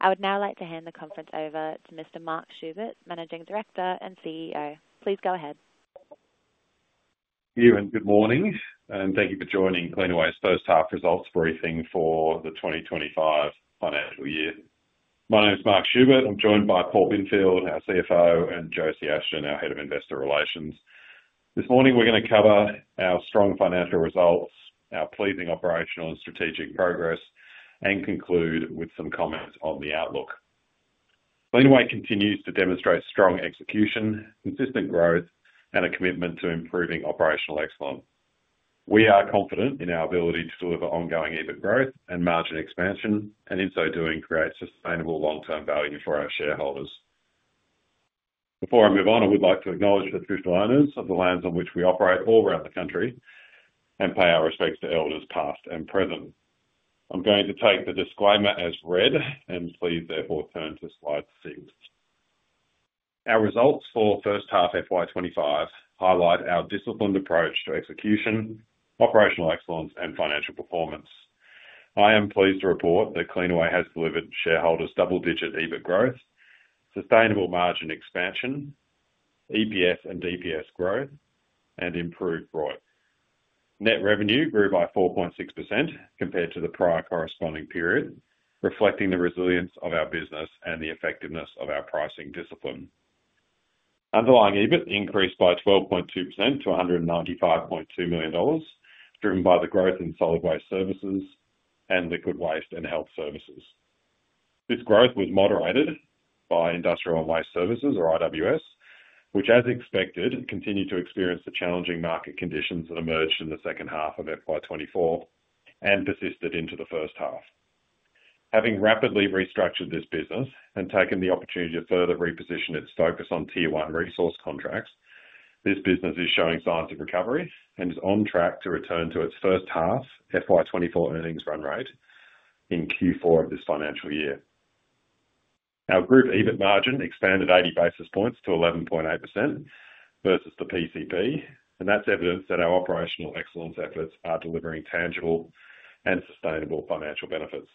I would now like to hand the conference over to Mr. Mark Schubert, Managing Director and CEO. Please go ahead. Everyone, good morning, and thank you for joining Cleanaway's first half results briefing for the 2025 financial year. My name is Mark Schubert. I'm joined by Paul Binfield, our CFO, and Josie Ashton, our Head of Investor Relations. This morning, we're going to cover our strong financial results, our pleasing operational and strategic progress, and conclude with some comments on the outlook. Cleanaway continues to demonstrate strong execution, consistent growth, and a commitment to improving operational excellence. We are confident in our ability to deliver ongoing EBIT growth and margin expansion, and in so doing, create sustainable long-term value for our shareholders. Before I move on, I would like to acknowledge the traditional owners of the lands on which we operate all around the country and pay our respects to elders past and present. I'm going to take the disclaimer as read and please therefore turn to Slide six. Our results for first half FY2025 highlight our disciplined approach to execution, operational excellence, and financial performance. I am pleased to report that Cleanaway has delivered shareholders double-digit EBIT growth, sustainable margin expansion, EPS and DPS growth, and improved ROIC. Net revenue grew by 4.6% compared to the prior corresponding period, reflecting the resilience of our business and the effectiveness of our pricing discipline. Underlying EBIT increased by 12.2% to $195.2 million, driven by the growth in Solid Waste Services and Liquid Waste and Health Services. This growth was moderated by Industrial and Waste Services, or IWS, which, as expected, continued to experience the challenging market conditions that emerged in the second half of FY2024 and persisted into the first half. Having rapidly restructured this business and taken the opportunity to further reposition its focus on Tier 1 resource contracts, this business is showing signs of recovery and is on track to return to its first half FY2024 earnings run rate in Q4 of this financial year. Our group EBIT margin expanded 80 basis points to 11.8% versus the PCP, and that's evidence that our operational excellence efforts are delivering tangible and sustainable financial benefits.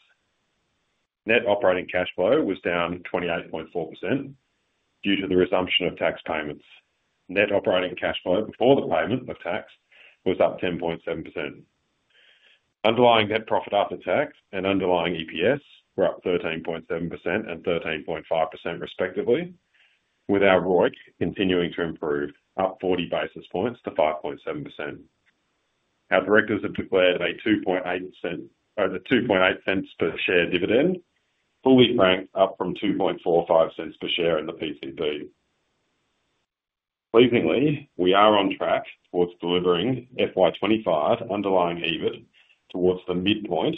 Net operating cash flow was down 28.4% due to the resumption of tax payments. Net operating cash flow before the payment of tax was up 10.7%. Underlying net profit after tax and underlying EPS were up 13.7% and 13.5% respectively, with our ROIC continuing to improve, up 40 basis points to 5.7%. Our directors have declared a $0.028 per share dividend, fully franked up from $0.0245 per share in the PCP. Pleasingly, we are on track towards delivering FY2025 underlying EBIT towards the midpoint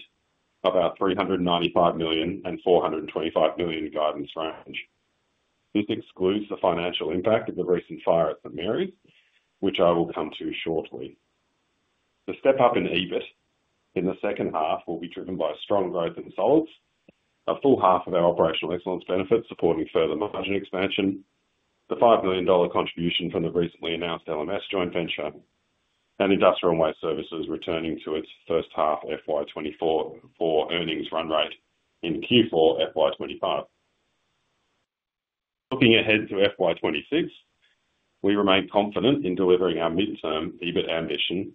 of our $395 million and $425 million guidance range. This excludes the financial impact of the recent fire at St Marys, which I will come to shortly. The step up in EBIT in the second half will be driven by strong growth in solids, a full half of our operational excellence benefits supporting further margin expansion, the $5 million contribution from the recently announced LMS joint venture, and Industrial and Waste Services returning to its first half FY2024 earnings run rate in Q4 FY2025. Looking ahead to FY2026, we remain confident in delivering our midterm EBIT ambition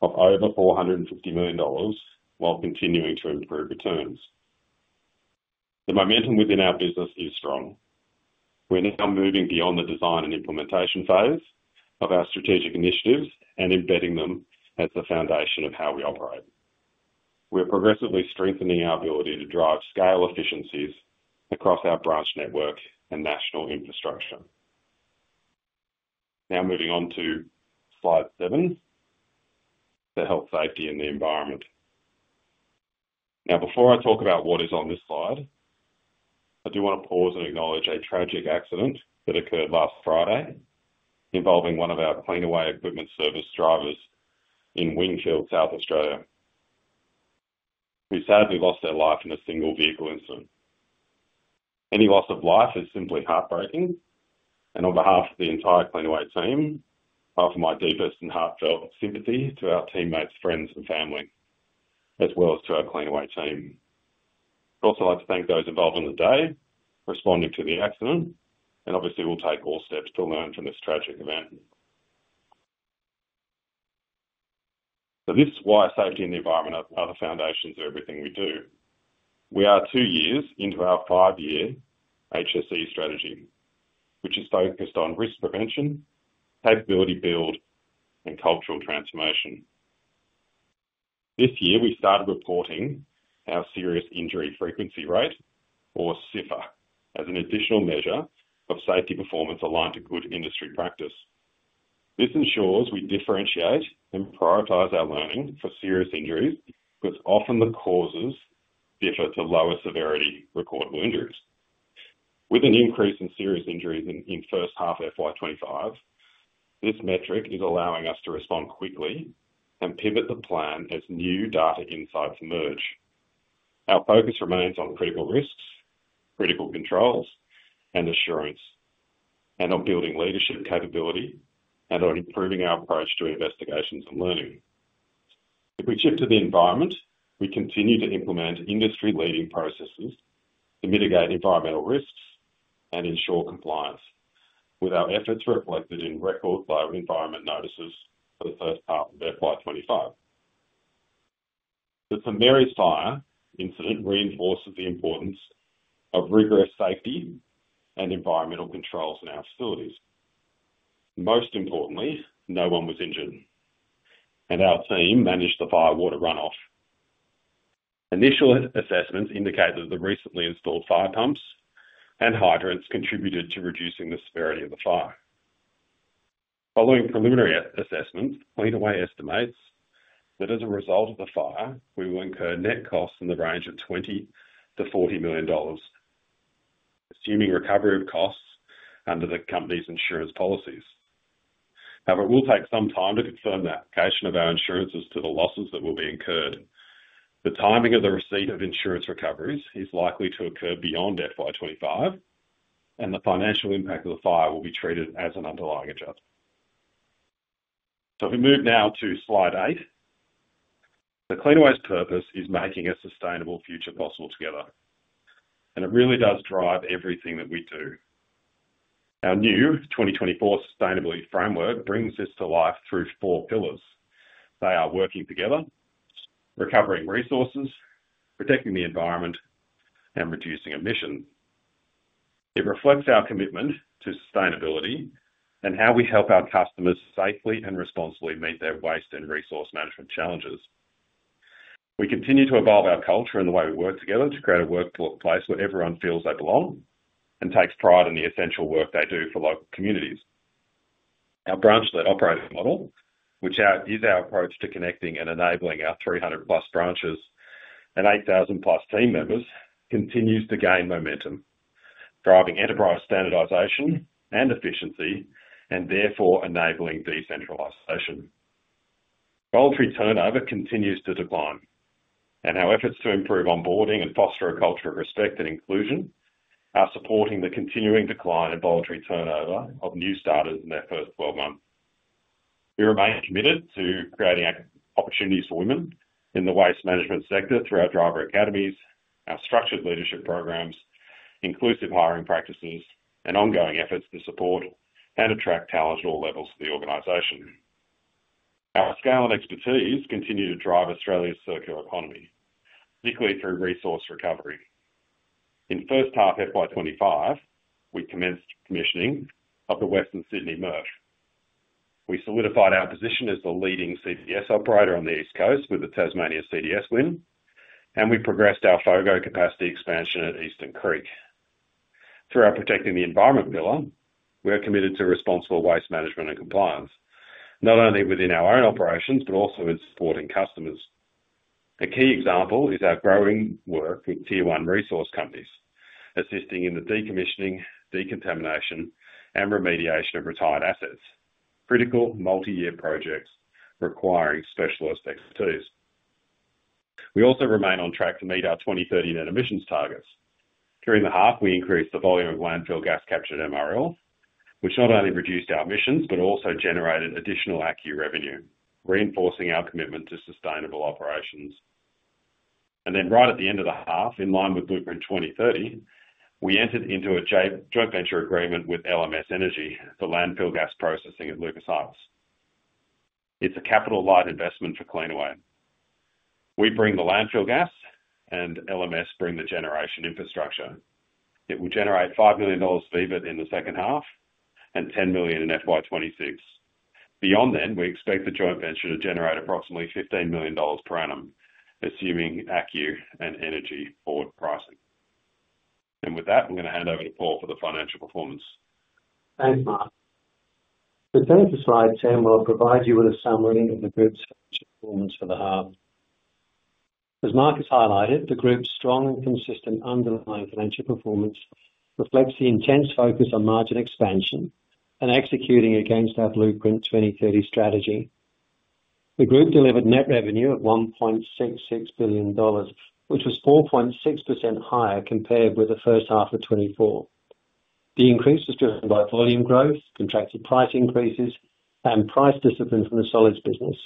of over $450 million while continuing to improve returns. The momentum within our business is strong. We're now moving beyond the design and implementation phase of our strategic initiatives and embedding them as the foundation of how we operate. We're progressively strengthening our ability to drive scale efficiencies across our branch network and national infrastructure. Now moving on to Slide seven, the health, safety, and the environment. Now, before I talk about what is on this Slide, I do want to pause and acknowledge a tragic accident that occurred last Friday involving one of our Cleanaway Equipment Services drivers in Wingfield, South Australia, who sadly lost their life in a single vehicle incident. Any loss of life is simply heartbreaking, and on behalf of the entire Cleanaway team, I offer my deepest and heartfelt sympathy to our teammates, friends, and family, as well as to our Cleanaway team. I'd also like to thank those involved in the day responding to the accident, and obviously, we'll take all steps to learn from this tragic event. So this is why safety and the environment are the foundations of everything we do. We are two years into our five-year HSE strategy, which is focused on risk prevention, capability build, and cultural transformation. This year, we started reporting our Serious Injury Frequency Rate, or SIFR, as an additional measure of safety performance aligned to good industry practice. This ensures we differentiate and prioritize our learning for serious injuries, because often the causes differ to lower severity recordable injuries. With an increase in serious injuries in first half FY2025, this metric is allowing us to respond quickly and pivot the plan as new data insights emerge. Our focus remains on critical risks, critical controls, and assurance, and on building leadership capability and on improving our approach to investigations and learning. If we shift to the environment, we continue to implement industry-leading processes to mitigate environmental risks and ensure compliance, with our efforts reflected in record-low environmental notices for the first half of FY2025. The St Marys fire incident reinforces the importance of rigorous safety and environmental controls in our facilities. Most importantly, no one was injured, and our team managed the firewater runoff. Initial assessments indicate that the recently installed fire pumps and hydrants contributed to reducing the severity of the fire. Following preliminary assessments, Cleanaway estimates that as a result of the fire, we will incur net costs in the range of $20 million-$40 million, assuming recovery of costs under the company's insurance policies. However, it will take some time to confirm the application of our insurances to the losses that will be incurred. The timing of the receipt of insurance recoveries is likely to occur beyond FY2025, and the financial impact of the fire will be treated as an underlying adjustment. So if we move now to Slide eight, Cleanaway's purpose is making a sustainable future possible together, and it really does drive everything that we do. Our new 2024 sustainability framework brings this to life through four pillars. They are working together, recovering resources, protecting the environment, and reducing emissions. It reflects our commitment to sustainability and how we help our customers safely and responsibly meet their waste and resource management challenges. We continue to evolve our culture and the way we work together to create a workplace where everyone feels they belong and takes pride in the essential work they do for local communities. Our branch-led operating model, which is our approach to connecting and enabling our 300+ branches and 8,000+ team members, continues to gain momentum, driving enterprise standardization and efficiency and therefore enabling decentralization. Voluntary turnover continues to decline, and our efforts to improve onboarding and foster a culture of respect and inclusion are supporting the continuing decline in voluntary turnover of new starters in their first 12 months. We remain committed to creating opportunities for women in the waste management sector through our driver academies, our structured leadership programs, inclusive hiring practices, and ongoing efforts to support and attract talent at all levels of the organization. Our scale and expertise continue to drive Australia's circular economy, particularly through resource recovery. In first half FY2025, we commenced commissioning of the Western Sydney MRF. We solidified our position as the leading CDS operator on the East Coast with the Tasmania CDS win, and we progressed our FOGO capacity expansion at Eastern Creek. Through our protecting the environment pillar, we are committed to responsible waste management and compliance, not only within our own operations, but also in supporting customers. A key example is our growing work with Tier 1 resource companies, assisting in the decommissioning, decontamination, and remediation of retired assets, critical multi-year projects requiring specialist expertise. We also remain on track to meet our 2030 net emissions targets. During the half, we increased the volume of landfill gas captured MRL, which not only reduced our emissions but also generated additional ACCU revenue, reinforcing our commitment to sustainable operations. And then right at the end of the half, in line with Blueprint 2030, we entered into a joint venture agreement with LMS Energy for landfill gas processing at Lucas Heights. It's a capital-light investment for Cleanaway. We bring the landfill gas, and LMS brings the generation infrastructure. It will generate $5 million of EBIT in the second half and $10 million in FY2026. Beyond then, we expect the joint venture to generate approximately $15 million per annum, assuming ACCU and Energy Board Pricing. And with that, I'm going to hand over to Paul for the financial performance. Thanks, Mark. So turning to Slide 10, we'll provide you with a summary of the group's financial performance for the half. As Mark has highlighted, the group's strong and consistent underlying financial performance reflects the intense focus on margin expansion and executing against our Blueprint 2030 strategy. The group delivered net revenue of $1.66 billion, which was 4.6% higher compared with the first half of 2024. The increase was driven by volume growth, contracted price increases, and price discipline from the Solids business,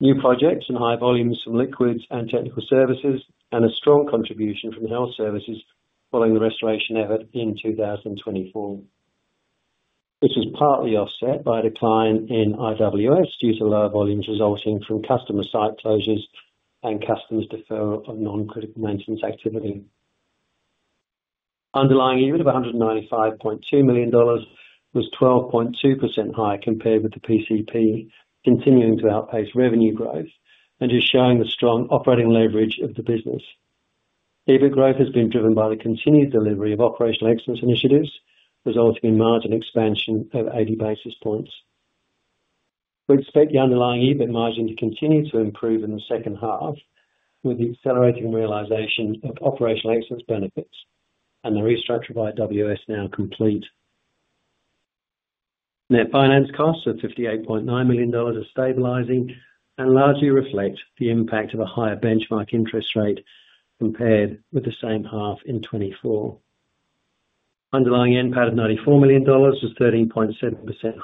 new projects and high volumes from liquids and Technical Services, and a strong contribution from Health Services following the restoration effort in 2024. This was partly offset by a decline in IWS due to low volumes resulting from customer site closures and customers' deferral of non-critical maintenance activity. Underlying EBIT of $195.2 million was 12.2% higher compared with the PCP, continuing to outpace revenue growth and is showing the strong operating leverage of the business. EBIT growth has been driven by the continued delivery of operational excellence initiatives, resulting in margin expansion of 80 basis points. We expect the underlying EBIT margin to continue to improve in the second half with the accelerating realization of operational excellence benefits and the restructure by IWS now complete. Net finance costs of $58.9 million are stabilizing and largely reflect the impact of a higher benchmark interest rate compared with the same half in 2024. Underlying NPAT of $94 million was 13.7%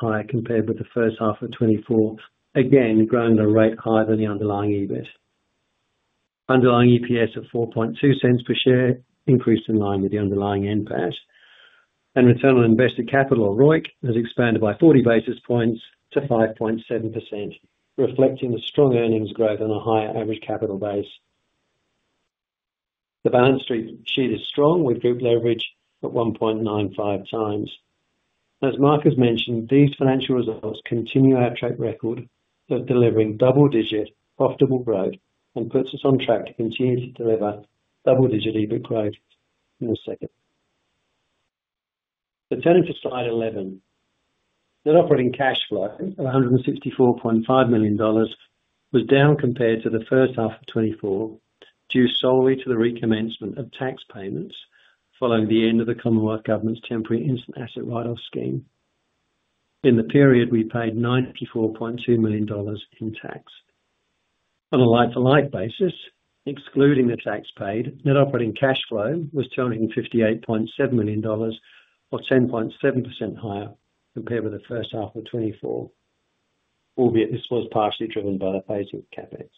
higher compared with the first half of 2024, again growing the rate higher than the underlying EBIT. Underlying EPS of $0.042 per share increased in line with the underlying NPAT, and return on invested capital, or ROIC, has expanded by 40 basis points to 5.7%, reflecting the strong earnings growth and a higher average capital base. The balance sheet is strong with group leverage at 1.95x. As Mark has mentioned, these financial results continue our track record of delivering double-digit profitable growth and puts us on track to continue to deliver double-digit EBIT growth in the second. So turning to Slide 11, net operating cash flow of $164.5 million was down compared to the first half of 2024 due solely to the recommencement of tax payments following the end of the Commonwealth Government's temporary instant asset write-off scheme. In the period, we paid $94.2 million in tax. On a like-for-like basis, excluding the tax paid, net operating cash flow was $258.7 million, or 10.7% higher compared with the first half of 2024, albeit this was partially driven by the phasing CapEx.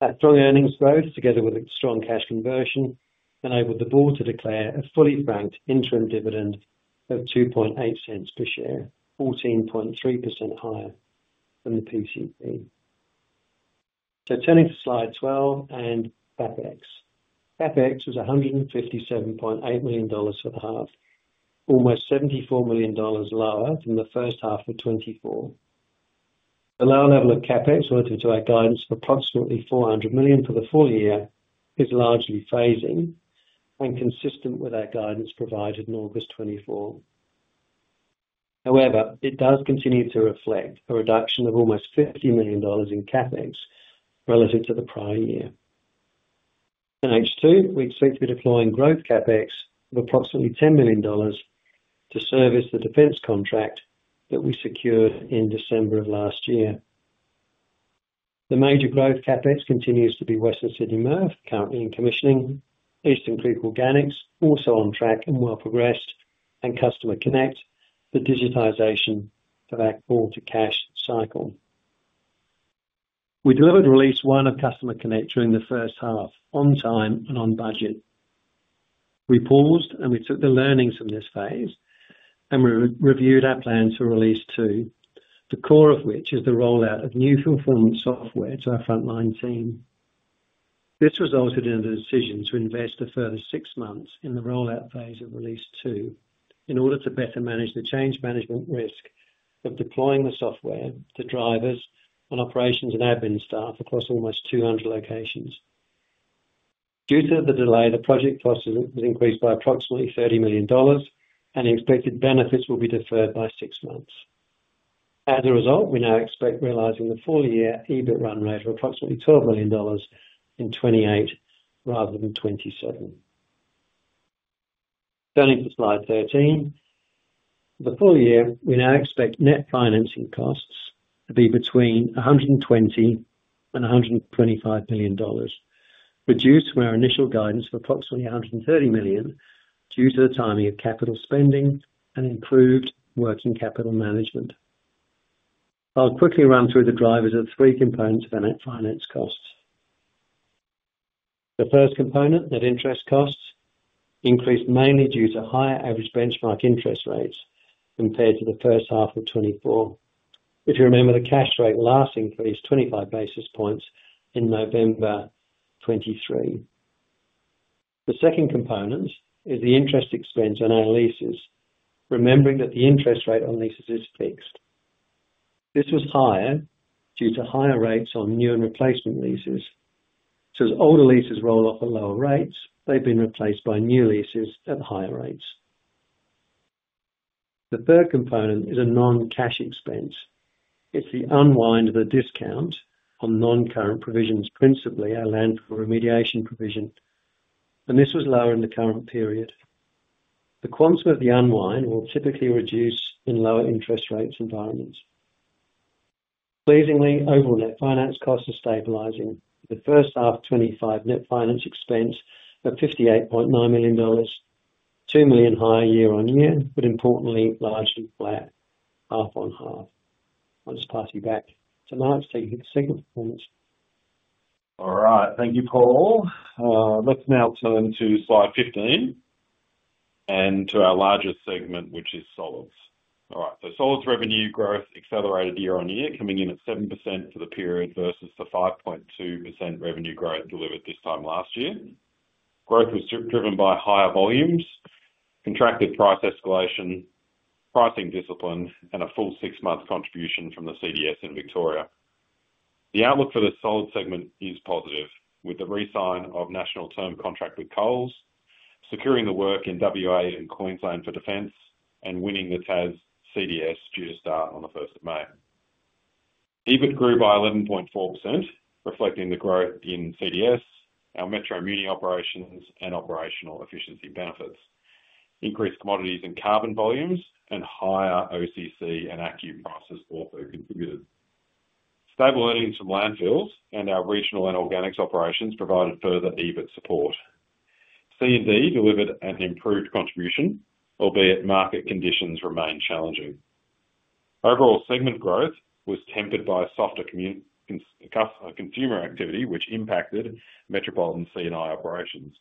That strong earnings growth, together with strong cash conversion, enabled the board to declare a fully franked interim dividend of $0.028 per share, 14.3% higher than the PCP. So turning to Slide 12 and CapEx. CapEx was $157.8 million for the half, almost $74 million lower than the first half of 2024. The lower level of CapEx relative to our guidance for approximately $400 million for the full year is largely phasing and consistent with our guidance provided in August 2024. However, it does continue to reflect a reduction of almost $50 million in CapEx relative to the prior year. In H2, we expect to be deploying growth CapEx of approximately $10 million to service the Defence contract that we secured in December of last year. The major growth CapEx continues to be Western Sydney MRF, currently in commissioning, Eastern Creek Organics, also on track and well progressed, and Customer Connect, the digitization of our call-to-cash cycle. We delivered release one of Customer Connect during the first half, on time and on budget. We paused, and we took the learnings from this phase, and we reviewed our plans for release two, the core of which is the rollout of new performance software to our frontline team. This resulted in a decision to invest the further six months in the rollout phase of release two in order to better manage the change management risk of deploying the software to drivers and operations and admin staff across almost 200 locations. Due to the delay, the project cost has increased by approximately $30 million, and the expected benefits will be deferred by six months. As a result, we now expect realizing the full-year EBIT run rate of approximately $12 million in 2028 rather than 2027. Turning to Slide 13, for the full year, we now expect net financing costs to be between $120 and $125 million, reduced from our initial guidance of approximately $130 million due to the timing of capital spending and improved working capital management. I'll quickly run through the drivers of three components of our net finance costs. The first component, net interest costs, increased mainly due to higher average benchmark interest rates compared to the first half of 2024. If you remember, the cash rate last increased 25 basis points in November 2023. The second component is the interest expense on our leases, remembering that the interest rate on leases is fixed. This was higher due to higher rates on new and replacement leases. So as older leases roll off at lower rates, they've been replaced by new leases at higher rates. The third component is a non-cash expense. It's the unwind of the discount on non-current provisions, principally our landfill remediation provision, and this was lower in the current period. The quantum of the unwind will typically reduce in lower interest rates environments. Pleasingly, overall net finance costs are stabilizing. The first half of 2025, net finance expense of $58.9 million, $2 million higher year on year, but importantly, largely flat, half on half. I'll just pass you back to Mark to take a look at the segment performance. All right. Thank you, Paul. Let's now turn to Slide 15 and to our largest segment, which is solids. All right. So solids revenue growth accelerated year on year, coming in at 7% for the period versus the 5.2% revenue growth delivered this time last year. Growth was driven by higher volumes, contracted price escalation, pricing discipline, and a full six-month contribution from the CDS in Victoria. The outlook for the solid segment is positive, with the re-signing of national term contract with Coles, securing the work in WA and Queensland for Defence, and winning the Tas CDS due to start on the 1st of May. EBIT grew by 11.4%, reflecting the growth in CDS, our metro municipal operations, and operational efficiency benefits. Increased commodities and carbon volumes and higher OCC and ACCU prices also contributed. Stable earnings from landfills and our regional and organics operations provided further EBIT support. C&D delivered an improved contribution, albeit market conditions remain challenging. Overall segment growth was tempered by softer consumer activity, which impacted Metropolitan C&I operations.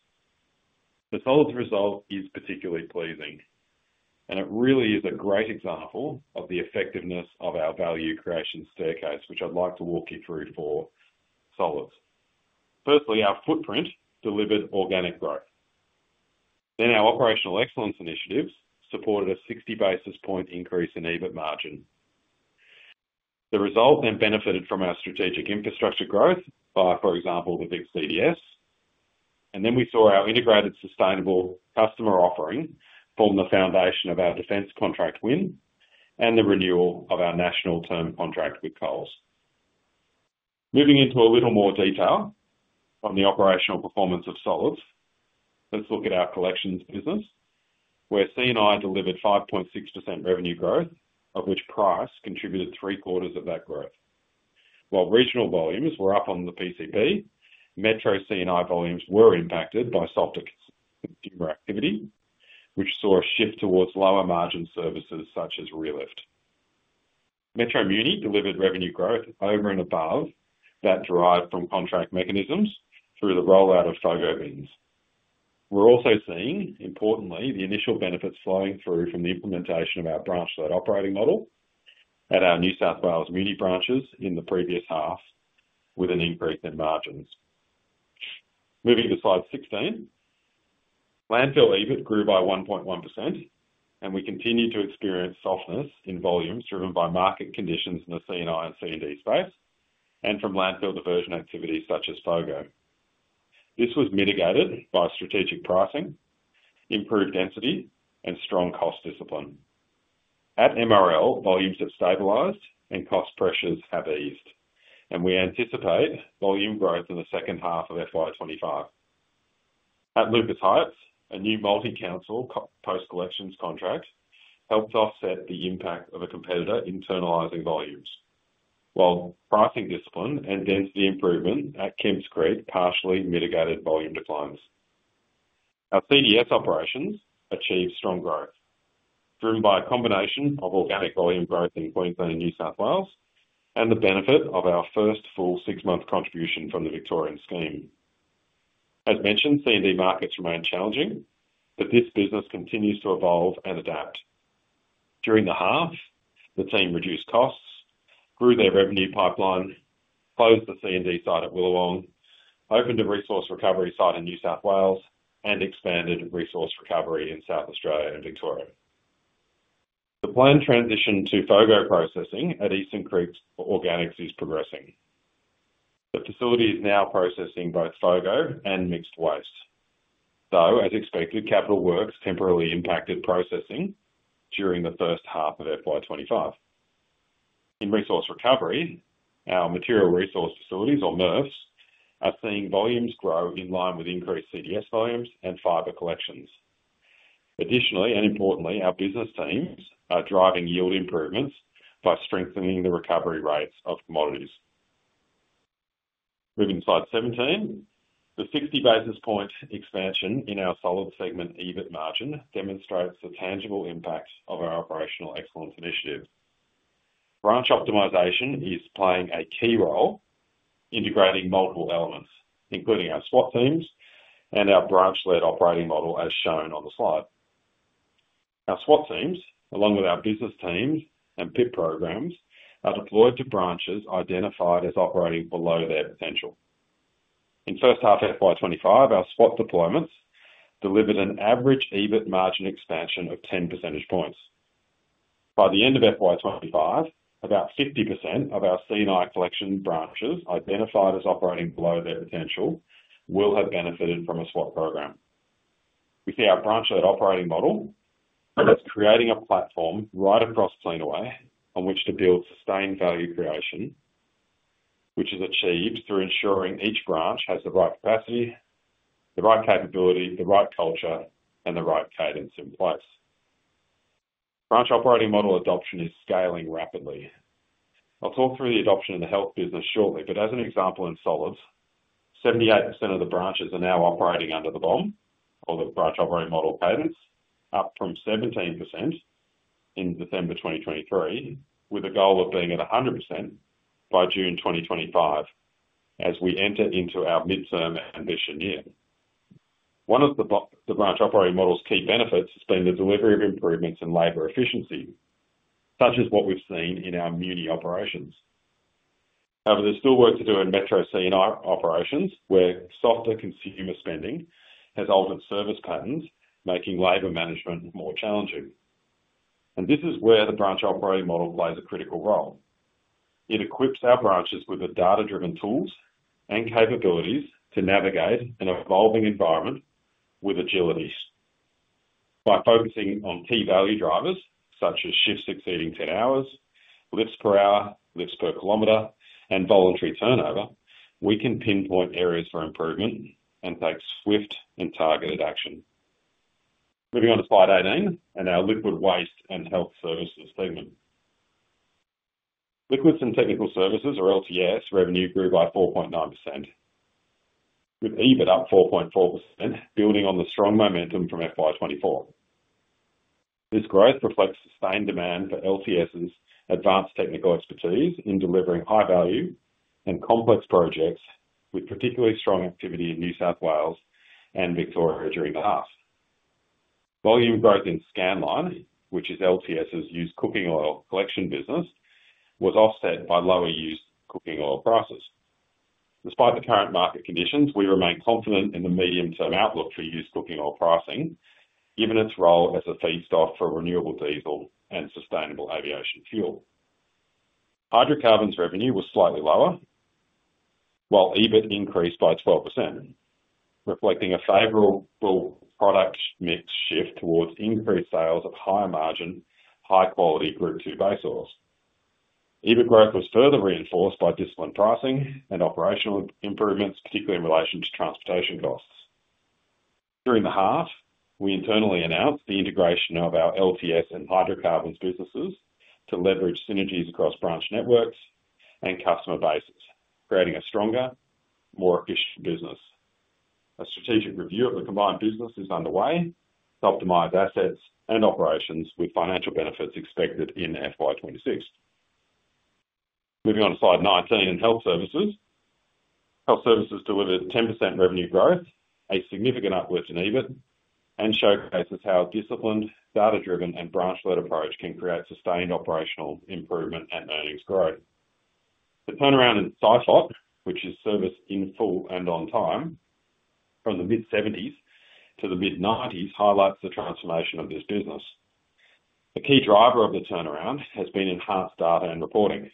The solids result is particularly pleasing, and it really is a great example of the effectiveness of our Value Creation Staircase, which I'd like to walk you through for solids. Firstly, our footprint delivered organic growth. Then our operational excellence initiatives supported a 60 basis points increase in EBIT margin. The result then benefited from our strategic infrastructure growth by, for example, the big CDS, and then we saw our integrated sustainable customer offering form the foundation of our Defence contract win and the renewal of our national term contract with Coles. Moving into a little more detail on the operational performance of solids, let's look at our collections business, where C&I delivered 5.6% revenue growth, of which price contributed three-quarters of that growth. While regional volumes were up on the PCP, metro C&I volumes were impacted by softer consumer activity, which saw a shift towards lower margin services such as re-lift. Metro muni delivered revenue growth over and above that derived from contract mechanisms through the rollout of FOGO bins. We're also seeing, importantly, the initial benefits flowing through from the implementation of our branch-led operating model at our New South Wales branches in the previous half, with an increase in margins. Moving to Slide 16, landfill EBIT grew by 1.1%, and we continued to experience softness in volumes driven by market conditions in the C&I and C&D space and from landfill diversion activity such as FOGO. This was mitigated by strategic pricing, improved density, and strong cost discipline. At MRL, volumes have stabilized and cost pressures have eased, and we anticipate volume growth in the second half of FY2025. At Lucas Heights, a new multi-council post-collections contract helped offset the impact of a competitor internalizing volumes, while pricing discipline and density improvement at Kemps Creek partially mitigated volume declines. Our CDS operations achieved strong growth, driven by a combination of organic volume growth in Queensland and New South Wales and the benefit of our first full six-month contribution from the Victorian scheme. As mentioned, C&D markets remain challenging, but this business continues to evolve and adapt. During the half, the team reduced costs, grew their revenue pipeline, closed the C&D site at Willawong, opened a resource recovery site in New South Wales, and expanded resource recovery in South Australia and Victoria. The planned transition to FOGO processing at Eastern Creek's organics is progressing. The facility is now processing both FOGO and mixed waste. Though, as expected, capital works temporarily impacted processing during the first half of FY2025. In resource recovery, our Materials Recovery Facilities, or MRFs, are seeing volumes grow in line with increased CDS volumes and fiber collections. Additionally, and importantly, our Business Teams are driving yield improvements by strengthening the recovery rates of commodities. Moving to Slide 17, the 60 basis points expansion in our solid segment EBIT margin demonstrates the tangible impact of our operational excellence initiative. Branch optimization is playing a key role, integrating multiple elements, including our SWAT teams and our branch-led Operating Model as shown on the Slide. Our SWAT teams, along with our Business Teams and PIP programs, are deployed to branches identified as operating below their potential. In first half FY2025, our SWAT deployments delivered an average EBIT margin expansion of 10 percentage points. By the end of FY2025, about 50% of our C&I collection branches identified as operating below their potential will have benefited from a SWAT program. We see our Branch-led Operating Model as creating a platform right across Cleanaway on which to build sustained value creation, which is achieved through ensuring each branch has the right capacity, the right capability, the right culture, and the right cadence in place. Branch Operating Model adoption is scaling rapidly. I'll talk through the adoption of the health business shortly, but as an example in solids, 78% of the branches are now operating under the BOM, or the Branch Operating Model cadence, up from 17% in December 2023, with a goal of being at 100% by June 2025 as we enter into our midterm ambition year. One of the Branch Operating Model's key benefits has been the delivery of improvements in labour efficiency, such as what we've seen in our muni operations. However, there's still work to do in metro C&I operations where softer consumer spending has altered service patterns, making labour management more challenging, and this is where the Branch Operating Model plays a critical role. It equips our branches with the data-driven tools and capabilities to navigate an evolving environment with agility. By focusing on key value drivers such as shifts exceeding 10 hours, lifts per hour, lifts per km, and voluntary turnover, we can pinpoint areas for improvement and take swift and targeted action. Moving on to Slide 18 and our Liquid Waste and Health Services segment. Liquids and Technical Services, or LTS, revenue grew by 4.9%, with EBIT up 4.4%, building on the strong momentum from FY2024. This growth reflects sustained demand for LTS's advanced technical expertise in delivering high-value and complex projects with particularly strong activity in New South Wales and Victoria during the half. Volume growth in Scanline, which is LTS's used cooking oil collection business, was offset by lower used cooking oil prices. Despite the current market conditions, we remain confident in the medium-term outlook for used cooking oil pricing, given its role as a feedstock for renewable diesel and sustainable aviation fuel. Hydrocarbons revenue was slightly lower, while EBIT increased by 12%, reflecting a favorable product mix shift towards increased sales of high-margin, high-quality Group II base oils. EBIT growth was further reinforced by disciplined pricing and operational improvements, particularly in relation to transportation costs. During the half, we internally announced the integration of our LTS and hydrocarbons businesses to leverage synergies across branch networks and customer bases, creating a stronger, more efficient business. A strategic review of the combined business is underway to optimize assets and operations with financial benefits expected in FY2026. Moving on to Slide 19 and Health Services. Health Services delivered 10% revenue growth, a significant upward to EBIT, and showcases how a disciplined, data-driven, and branch-led approach can create sustained operational improvement and earnings growth. The turnaround in SIFOT, which is Service in Full On Time, from the mid-70s to the mid-90s, highlights the transformation of this business. A key driver of the turnaround has been enhanced data and reporting.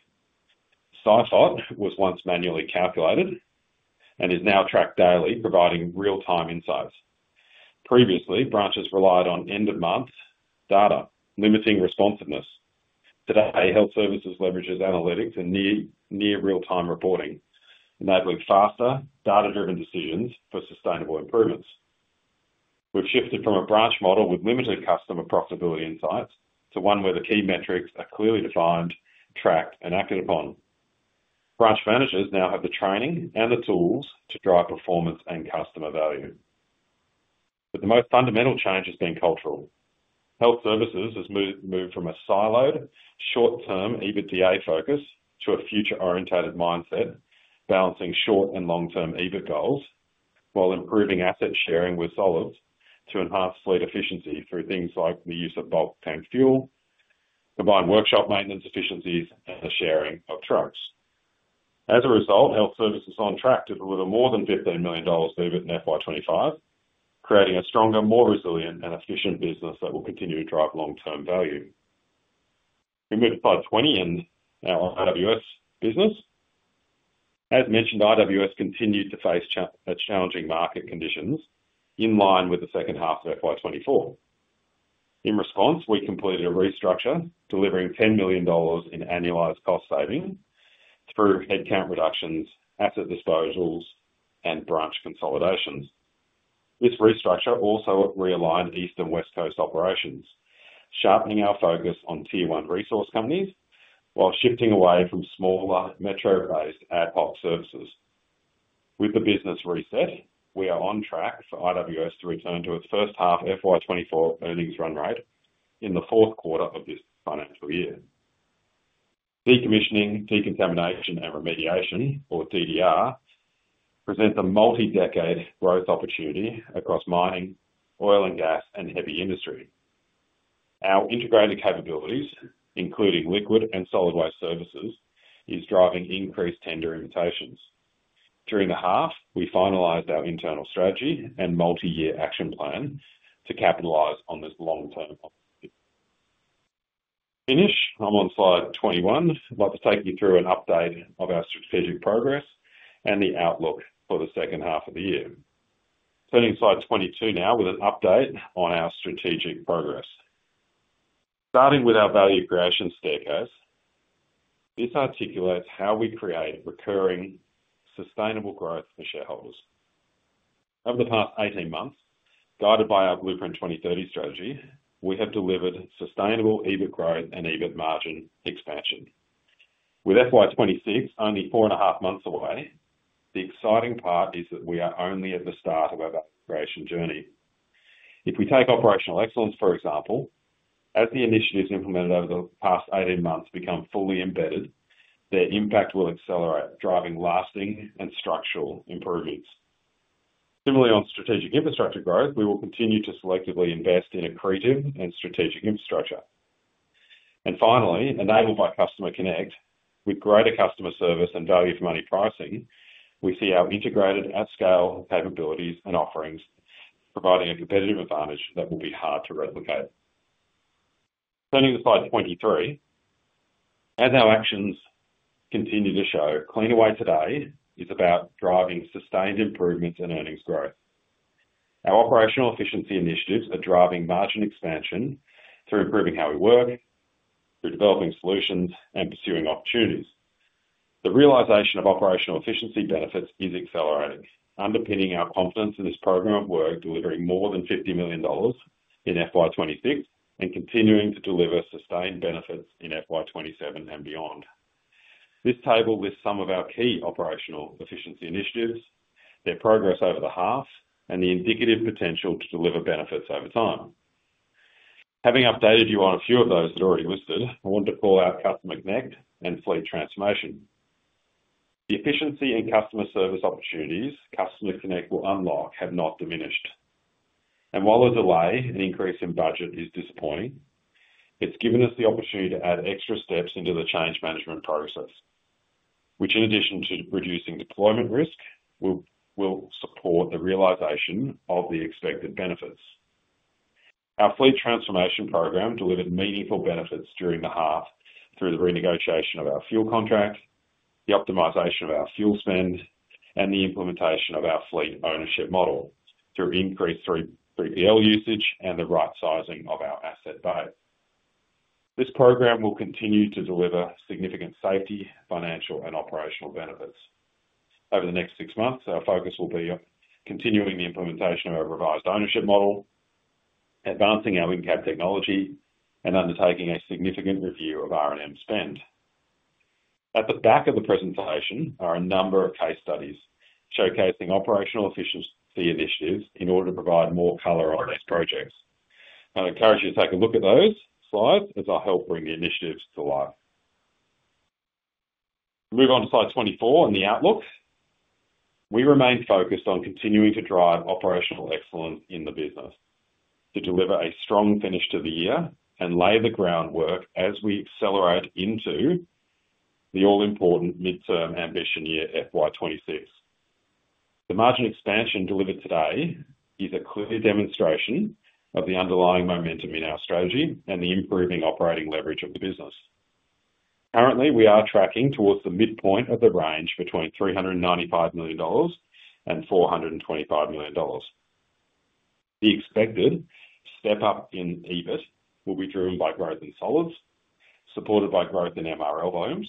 SIFOT was once manually calculated and is now tracked daily, providing real-time insights. Previously, branches relied on end-of-month data, limiting responsiveness. Today, Health Services leverages analytics and near-real-time reporting, enabling faster, data-driven decisions for sustainable improvements. We've shifted from a branch model with limited customer profitability insights to one where the key metrics are clearly defined, tracked, and acted upon. Branch managers now have the training and the tools to drive performance and customer value. But the most fundamental change has been cultural. Health Services has moved from a siloed, short-term EBITDA focus to a future-oriented mindset, balancing short and long-term EBIT goals, while improving asset sharing with solids to enhance fleet efficiency through things like the use of bulk tank fuel, combined workshop maintenance efficiencies, and the sharing of trucks. As a result, Health Services are on track to deliver more than $15 million EBIT in FY2025, creating a stronger, more resilient, and efficient business that will continue to drive long-term value. We move to Slide 20 in our IWS business. As mentioned, IWS continued to face challenging market conditions in line with the second half of FY2024. In response, we completed a restructure, delivering $10 million in annualized cost savings through headcount reductions, asset disposals, and branch consolidations. This restructure also realigned East and West coast operations, sharpening our focus on Tier 1 resource companies while shifting away from smaller metro-based ad hoc services. With the business reset, we are on track for IWS to return to its first half FY2024 earnings run rate in the fourth quarter of this financial year. Decommissioning, Decontamination, and Remediation, or DDR, presents a multi-decade growth opportunity across mining, oil and gas, and heavy industry. Our integrated capabilities, including Liquid and Solid Waste Services, are driving increased tender invitations. During the half, we finalized our internal strategy and multi-year action plan to capitalize on this long-term opportunity. Finish, I'm on Slide 21. I'd like to take you through an update of our strategic progress and the outlook for the second half of the year. Turning to Slide 22 now with an update on our strategic progress. Starting with our Value Creation Staircase, this articulates how we create recurring, sustainable growth for shareholders. Over the past 18 months, guided by our Blueprint 2030 strategy, we have delivered sustainable EBIT growth and EBIT margin expansion. With FY2026 only four and a half months away, the exciting part is that we are only at the start of our value creation journey. If we take operational excellence, for example, as the initiatives implemented over the past 18 months become fully embedded, their impact will accelerate, driving lasting and structural improvements. Similarly, on strategic infrastructure growth, we will continue to selectively invest in accretive and strategic infrastructure. And finally, enabled by Customer Connect, with greater customer service and value-for-money pricing, we see our integrated at-scale capabilities and offerings providing a competitive advantage that will be hard to replicate. Turning to Slide 23, as our actions continue to show, Cleanaway today is about driving sustained improvements and earnings growth. Our operational efficiency initiatives are driving margin expansion through improving how we work, through developing solutions and pursuing opportunities. The realization of operational efficiency benefits is accelerating, underpinning our confidence in this program of work, delivering more than $50 million in FY2026 and continuing to deliver sustained benefits in FY27 and beyond. This table lists some of our key operational efficiency initiatives, their progress over the half, and the indicative potential to deliver benefits over time. Having updated you on a few of those that are already listed, I want to call out Customer Connect and Fleet Transformation. The efficiency and customer service opportunities Customer Connect will unlock have not diminished. While the delay and increase in budget is disappointing, it's given us the opportunity to add extra steps into the change management process, which, in addition to reducing deployment risk, will support the realization of the expected benefits. Our Fleet Transformation program delivered meaningful benefits during the half through the renegotiation of our fuel contract, the optimization of our fuel spend, and the implementation of our fleet ownership model through increased 3PL usage and the right sizing of our asset bay. This program will continue to deliver significant safety, financial, and operational benefits. Over the next six months, our focus will be on continuing the implementation of our revised ownership model, advancing our in-cab technology, and undertaking a significant review of R&M spend. At the back of the presentation are a number of case studies showcasing operational efficiency initiatives in order to provide more color on these projects. I encourage you to take a look at those Slides as I help bring the initiatives to life. Move on to Slide 24 and the outlook. We remain focused on continuing to drive operational excellence in the business, to deliver a strong finish to the year and lay the groundwork as we accelerate into the all-important midterm ambition year FY2026. The margin expansion delivered today is a clear demonstration of the underlying momentum in our strategy and the improving operating leverage of the business. Currently, we are tracking towards the midpoint of the range between $395 million and $425 million. The expected step up in EBIT will be driven by growth in solids, supported by growth in MRL volumes,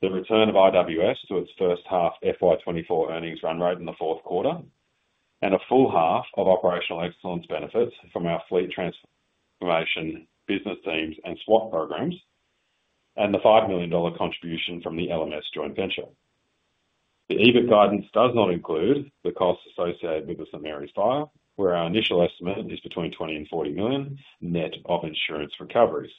the return of IWS to its first half FY2024 earnings run rate in the fourth quarter, and a full half of operational excellence benefits from our Fleet transformation Business Teams and SWAT programs, and the $5 million contribution from the LMS joint venture. The EBIT guidance does not include the costs associated with the St Marys fire, where our initial estimate is between $20 million and $40 million net of insurance recoveries.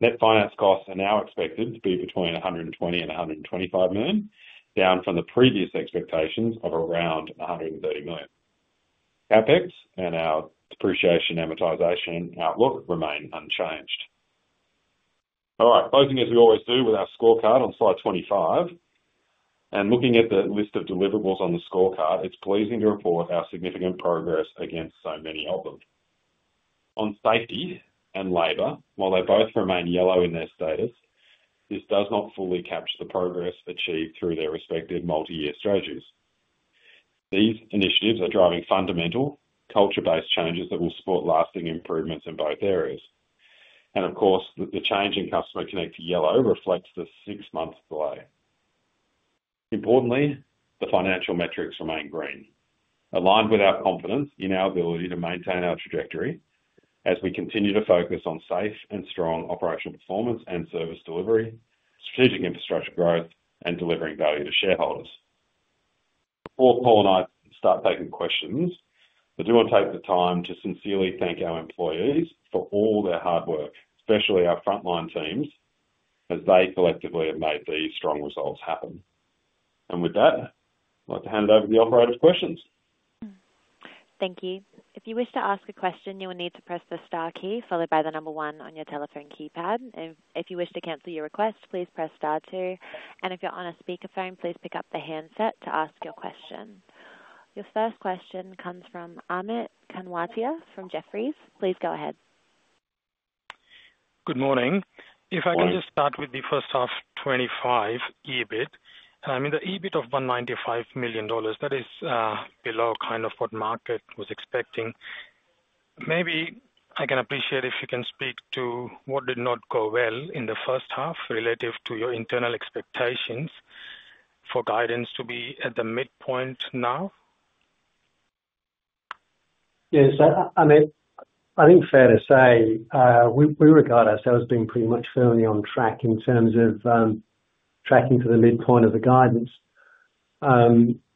Net finance costs are now expected to be between $120 million and $125 million, down from the previous expectations of around $130 million. CapEx and our depreciation amortization outlook remain unchanged. All right, closing as we always do with our scorecard on Slide 25. Looking at the list of deliverables on the scorecard, it's pleasing to report our significant progress against so many of them. On safety and labour, while they both remain yellow in their status, this does not fully capture the progress achieved through their respective multi-year strategies. These initiatives are driving fundamental culture-based changes that will support lasting improvements in both areas. Of course, the change in Customer Connect to yellow reflects the six-month delay. Importantly, the financial metrics remain green, aligned with our confidence in our ability to maintain our trajectory as we continue to focus on safe and strong operational performance and service delivery, strategic infrastructure growth, and delivering value to shareholders. Before Paul and I start taking questions, I do want to take the time to sincerely thank our employees for all their hard work, especially our frontline teams, as they collectively have made these strong results happen. And with that, I'd like to hand over to the operator for questions. Thank you. If you wish to ask a question, you will need to press the star key followed by the number one on your telephone keypad. If you wish to cancel your request, please press star two. And if you're on a speakerphone, please pick up the handset to ask your question. Your first question comes from Amit Kanwatia from Jefferies. Please go ahead. Good morning. If I can just start with the first half 25 EBIT, I mean, the EBIT of $195 million, that is below kind of what market was expecting.cMaybe I can appreciate if you can speak to what did not go well in the first half relative to your internal expectations for guidance to be at the midpoint now. Yes, Amit, I think fair to say we regard ourselves being pretty much firmly on track in terms of tracking to the midpoint of the guidance.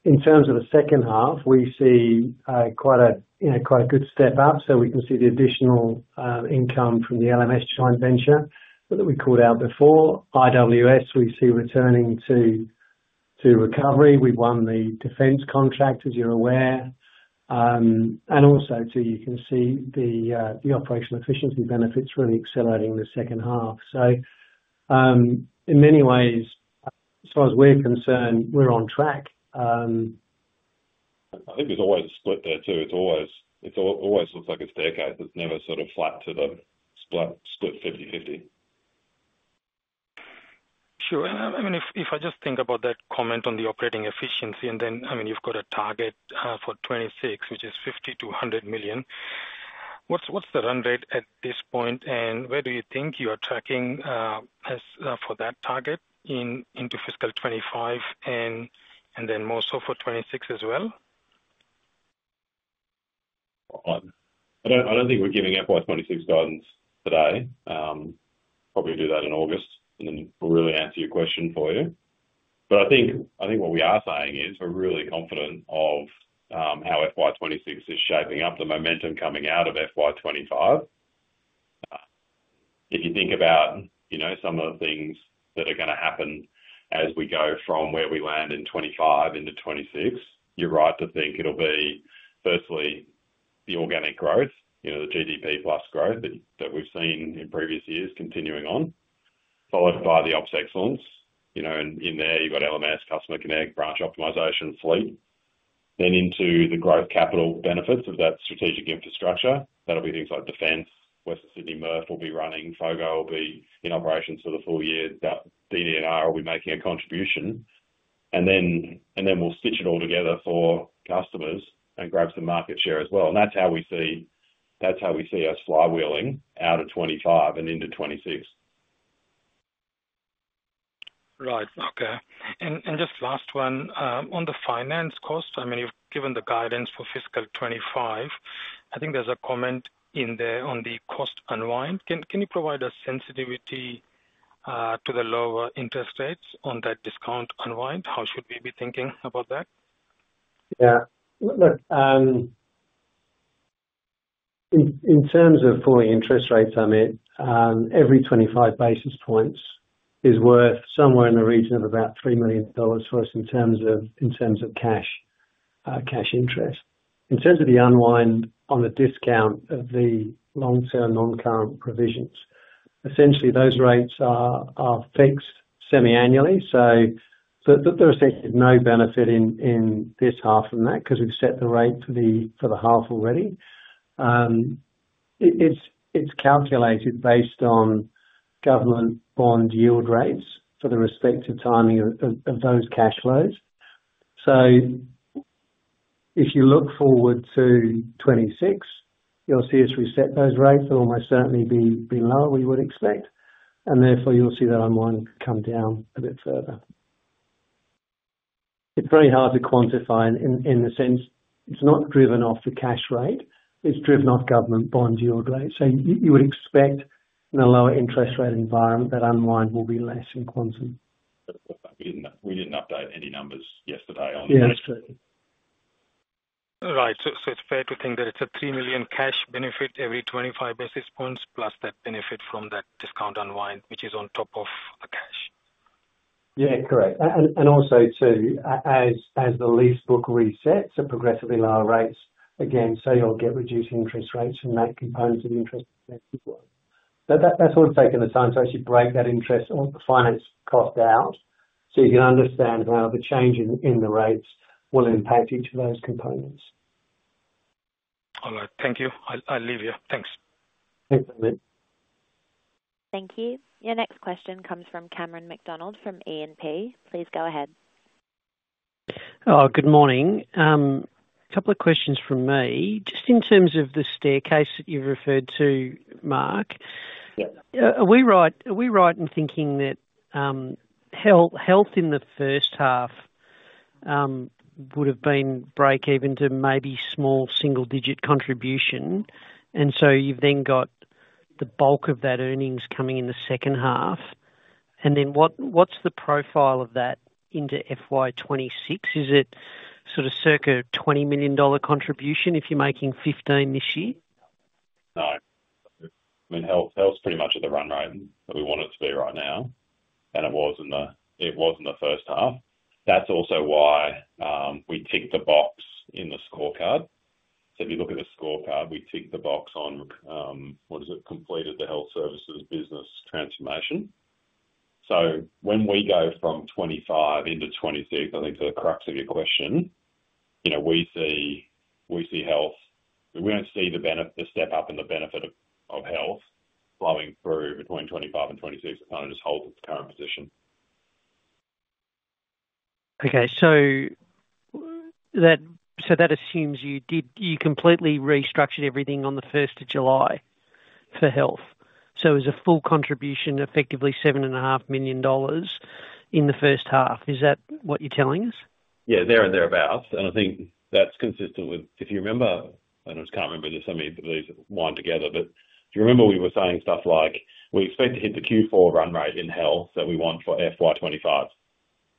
In terms of the second half, we see quite a good step up. So we can see the additional income from the LMS joint venture that we called out before. IWS, we see returning to recovery. We've won the Defence contract, as you're aware. And also, too, you can see the operational efficiency benefits really accelerating in the second half. So in many ways, as far as we're concerned, we're on track. I think there's always a split there, too. It always looks like a staircase. It's never sort of flat to the split 50/50. Sure. And I mean, if I just think about that comment on the operating efficiency, and then, I mean, you've got a target for 26, which is $50 million-$100 million. What's the run rate at this point, and where do you think you are tracking for that target into fiscal 25 and then more so for 26 as well? I don't think we're giving FY2026 guidance today. Probably do that in August, and then we'll really answer your question for you. But I think what we are saying is we're really confident of how FY2026 is shaping up, the momentum coming out of FY2025. If you think about some of the things that are going to happen as we go from where we land in 2025 into 2026, you're right to think it'll be, firstly, the organic growth, the GDP plus growth that we've seen in previous years continuing on, followed by the ops excellence. In there, you've got LMS, Customer Connect, branch optimization, fleet, then into the growth capital benefits of that strategic infrastructure. That'll be things like Defence. Western Sydney MRF will be running. FOGO will be in operations for the full year. DDR will be making a contribution. And then we'll stitch it all together for customers and grab some market share as well. And that's how we see us flywheeling out of 2025 and into 2026. Right. Okay. And just last one, on the finance cost, I mean, you've given the guidance for fiscal 2025. I think there's a comment in there on the cost unwind. Can you provide a sensitivity to the lower interest rates on that discount unwind? How should we be thinking about that? Yeah. Look, in terms of falling interest rates, Amit, every 25 basis points is worth somewhere in the region of about $3 million for us in terms of cash interest. In terms of the unwind on the discount of the long-term non-current provisions, essentially, those rates are fixed semi-annually. So there is no benefit in this half from that because we've set the rate for the half already. It's calculated based on government bond yield rates for the respective timing of those cash flows. So if you look forward to 26, you'll see us reset those rates that will most certainly be lower than we would expect. And therefore, you'll see that unwind come down a bit further. It's very hard to quantify in the sense it's not driven off the cash rate. It's driven off government bond yield rates. So you would expect in a lower interest rate environment that unwind will be less in quantity. We didn't update any numbers yesterday on that. Yeah, that's true. Right. So it's fair to think that it's a $3 million cash benefit every 25 basis points plus that benefit from that discount unwind, which is on top of the cash. Yeah, correct. And also, too, as the lease book resets at progressively lower rates, again, so you'll get reduced interest rates from that component of interest as well. But that's all taken the time to actually break that interest finance cost out so you can understand how the change in the rates will impact each of those components. All right. Thank you. I'll leave you. Thanks. Thanks, Amit. Thank you. Your next question comes from Cameron McDonald from E&P. Please go ahead. Good morning. A couple of questions from me. Just in terms of the staircase that you referred to, Mark, are we right in thinking that health in the first half would have been break-even to maybe small single-digit contribution? And so you've then got the bulk of that earnings coming in the second half. And then what's the profile of that into FY2026? Is it sort of circa $20 million contribution if you're making $15 this year? No. I mean, health's pretty much at the run rate that we want it to be right now, and it was in the first half. That's also why we tick the box in the scorecard. So if you look at the scorecard, we tick the box on, what is it? Completed the Health Services business transformation. So when we go from 25 into 26, I think to the crux of your question, we see health. We don't see the step up in the benefit of health flowing through between 25 and 26. It kind of just holds its current position. Okay. So that assumes you completely restructured everything on the 1st of July for health. So it was a full contribution, effectively $7.5 million in the first half. Is that what you're telling us? Yeah, there or thereabouts. And I think that's consistent with, if you remember, and I just can't remember this summary, but these went together. But if you remember, we were saying stuff like, "We expect to hit the Q4 run rate in health that we want for FY2025."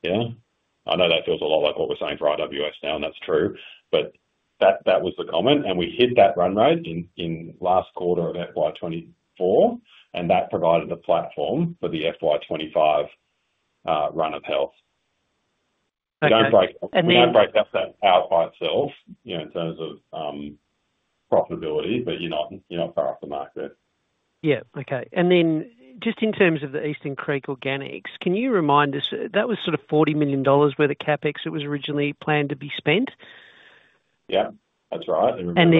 Yeah? I know that feels a lot like what we're saying for IWS now, and that's true. But that was the comment. And we hit that run rate in last quarter of FY2024, and that provided a platform for the FY2025 run of health. Don't break up that power by itself in terms of profitability, but you're not far off the market. Yeah. Okay. And then just in terms of the Eastern Creek Organics, can you remind us? That was sort of $40 million worth of CapEx that was originally planned to be spent. Yeah. That's right. And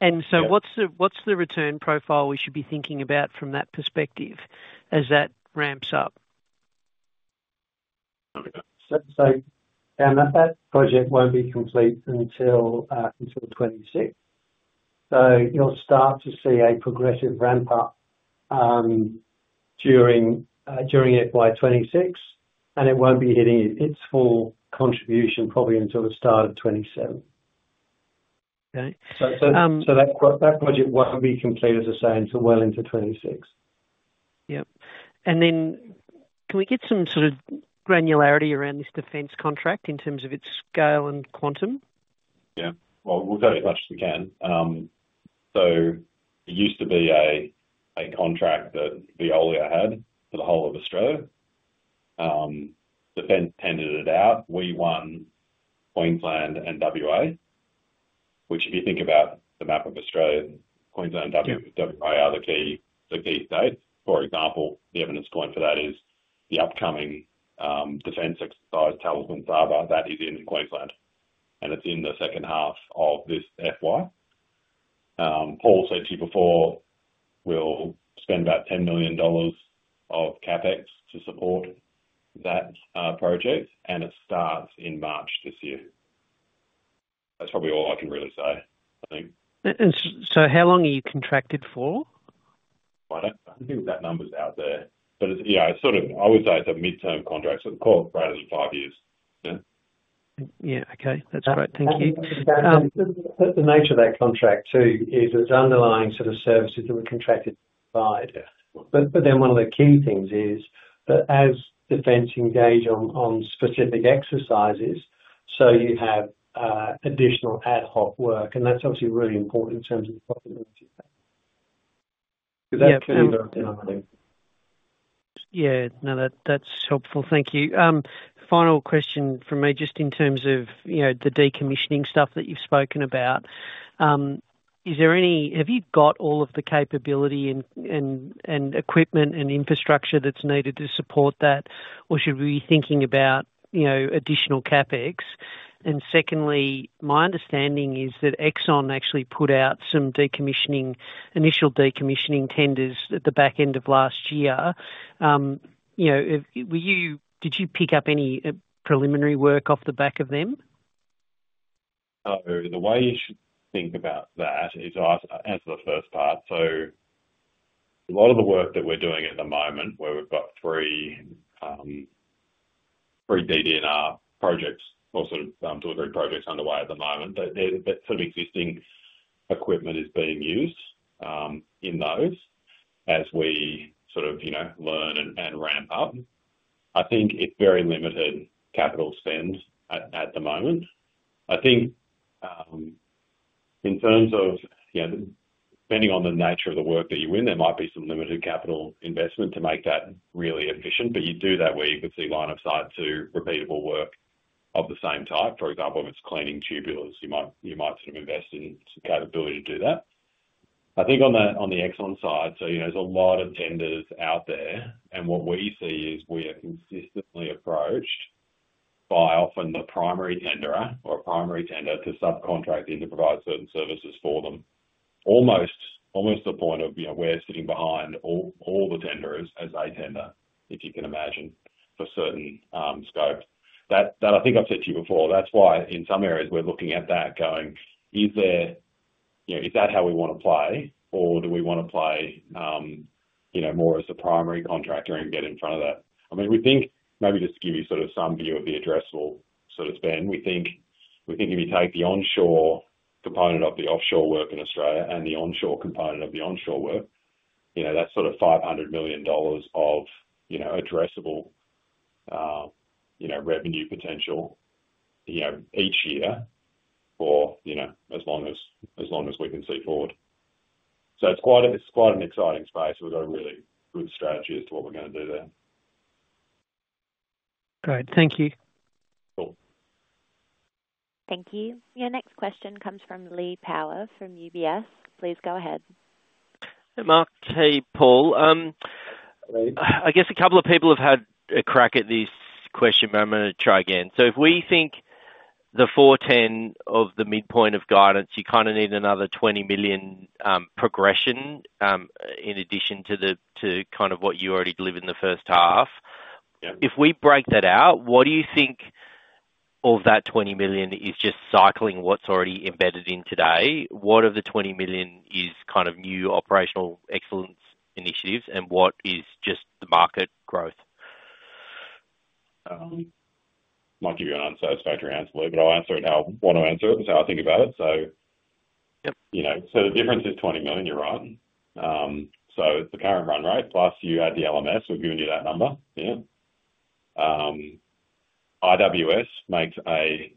then so what's the return profile we should be thinking about from that perspective as that ramps up? So that project won't be complete until 2026. So you'll start to see a progressive ramp-up during FY2026, and it won't be hitting its full contribution probably until the start of 2027. So that project won't be complete, as I say, until well into 2026. Yep. Can we get some sort of granularity around this Defence contract in terms of its scale and quantum? Yeah. Well, we'll go as much as we can. It used to be a contract that Veolia had for the whole of Australia. Defence tendered it out. We won Queensland and WA, which if you think about the map of Australia, Queensland and WA are the key states. For example, the evident point for that is the upcoming Defence exercise, Talisman Sabre. That is in Queensland, and it's in the second half of this FY. Paul said to you before, "We'll spend about $10 million of CapEx to support that project," and it starts in March this year. That's probably all I can really say, I think. How long are you contracted for? I don't think that number's out there. But yeah, I would say it's a midterm contract, so the call is greater than five years. Yeah. Yeah. Okay. That's great. Thank you. The nature of that contract, too, is it's underlying sort of services that we're contracted to provide. But then one of the key things is that as Defence engage on specific exercises, so you have additional ad hoc work, and that's obviously really important in terms of the profitability. Is that clear? Yeah. No, that's helpful. Thank you. Final question from me, just in terms of the decommissioning stuff that you've spoken about. Have you got all of the capability and equipment and infrastructure that's needed to support that, or should we be thinking about additional CapEx? And secondly, my understanding is that Exxon actually put out some initial decommissioning tenders at the back end of last year. Did you pick up any preliminary work off the back of them? So the way you should think about that is I'll answer the first part. So a lot of the work that we're doing at the moment, where we've got three DDR projects or sort of two or three projects underway at the moment, that sort of existing equipment is being used in those as we sort of learn and ramp up. I think it's very limited capital spend at the moment. I think in terms of depending on the nature of the work that you win, there might be some limited capital investment to make that really efficient. But you do that where you could see line of sight to repeatable work of the same type. For example, if it's cleaning tubulars, you might sort of invest in some capability to do that. I think on the Exxon side, so there's a lot of tenders out there, and what we see is we are consistently approached by often the primary tenderer or primary tender to subcontract in to provide certain services for them, almost to the point of we're sitting behind all the tenders as a tender, if you can imagine, for certain scopes. That I think I've said to you before. That's why in some areas we're looking at that going, "Is that how we want to play, or do we want to play more as the primary contractor and get in front of that?" I mean, we think maybe just to give you sort of some view of the addressable sort of spend, we think if you take the onshore component of the offshore work in Australia and the onshore component of the onshore work, that's sort of $500 million of addressable revenue potential each year for as long as we can see forward. So it's quite an exciting space. We've got a really good strategy as to what we're going to do there. Great. Thank you. Cool. Thank you. Your next question comes from Lee Power from UBS. Please go ahead. Mark. Thank you, Paul. I guess a couple of people have had a crack at this question, but I'm going to try again. So if we think the $410 million midpoint of guidance, you kind of need another $20 million progression in addition to kind of what you already delivered in the first half. If we break that out, what do you think of that $20 million is just cycling what's already embedded in today? What of the $20 million is kind of new operational excellence initiatives, and what is just the market growth? I might give you an unsatisfactory answer, but I'll answer it how I want to answer it, how I think about it. So the difference is $20 million, you're right. So it's the current run rate, plus you add the LMS. We've given you that number. Yeah. IWS makes a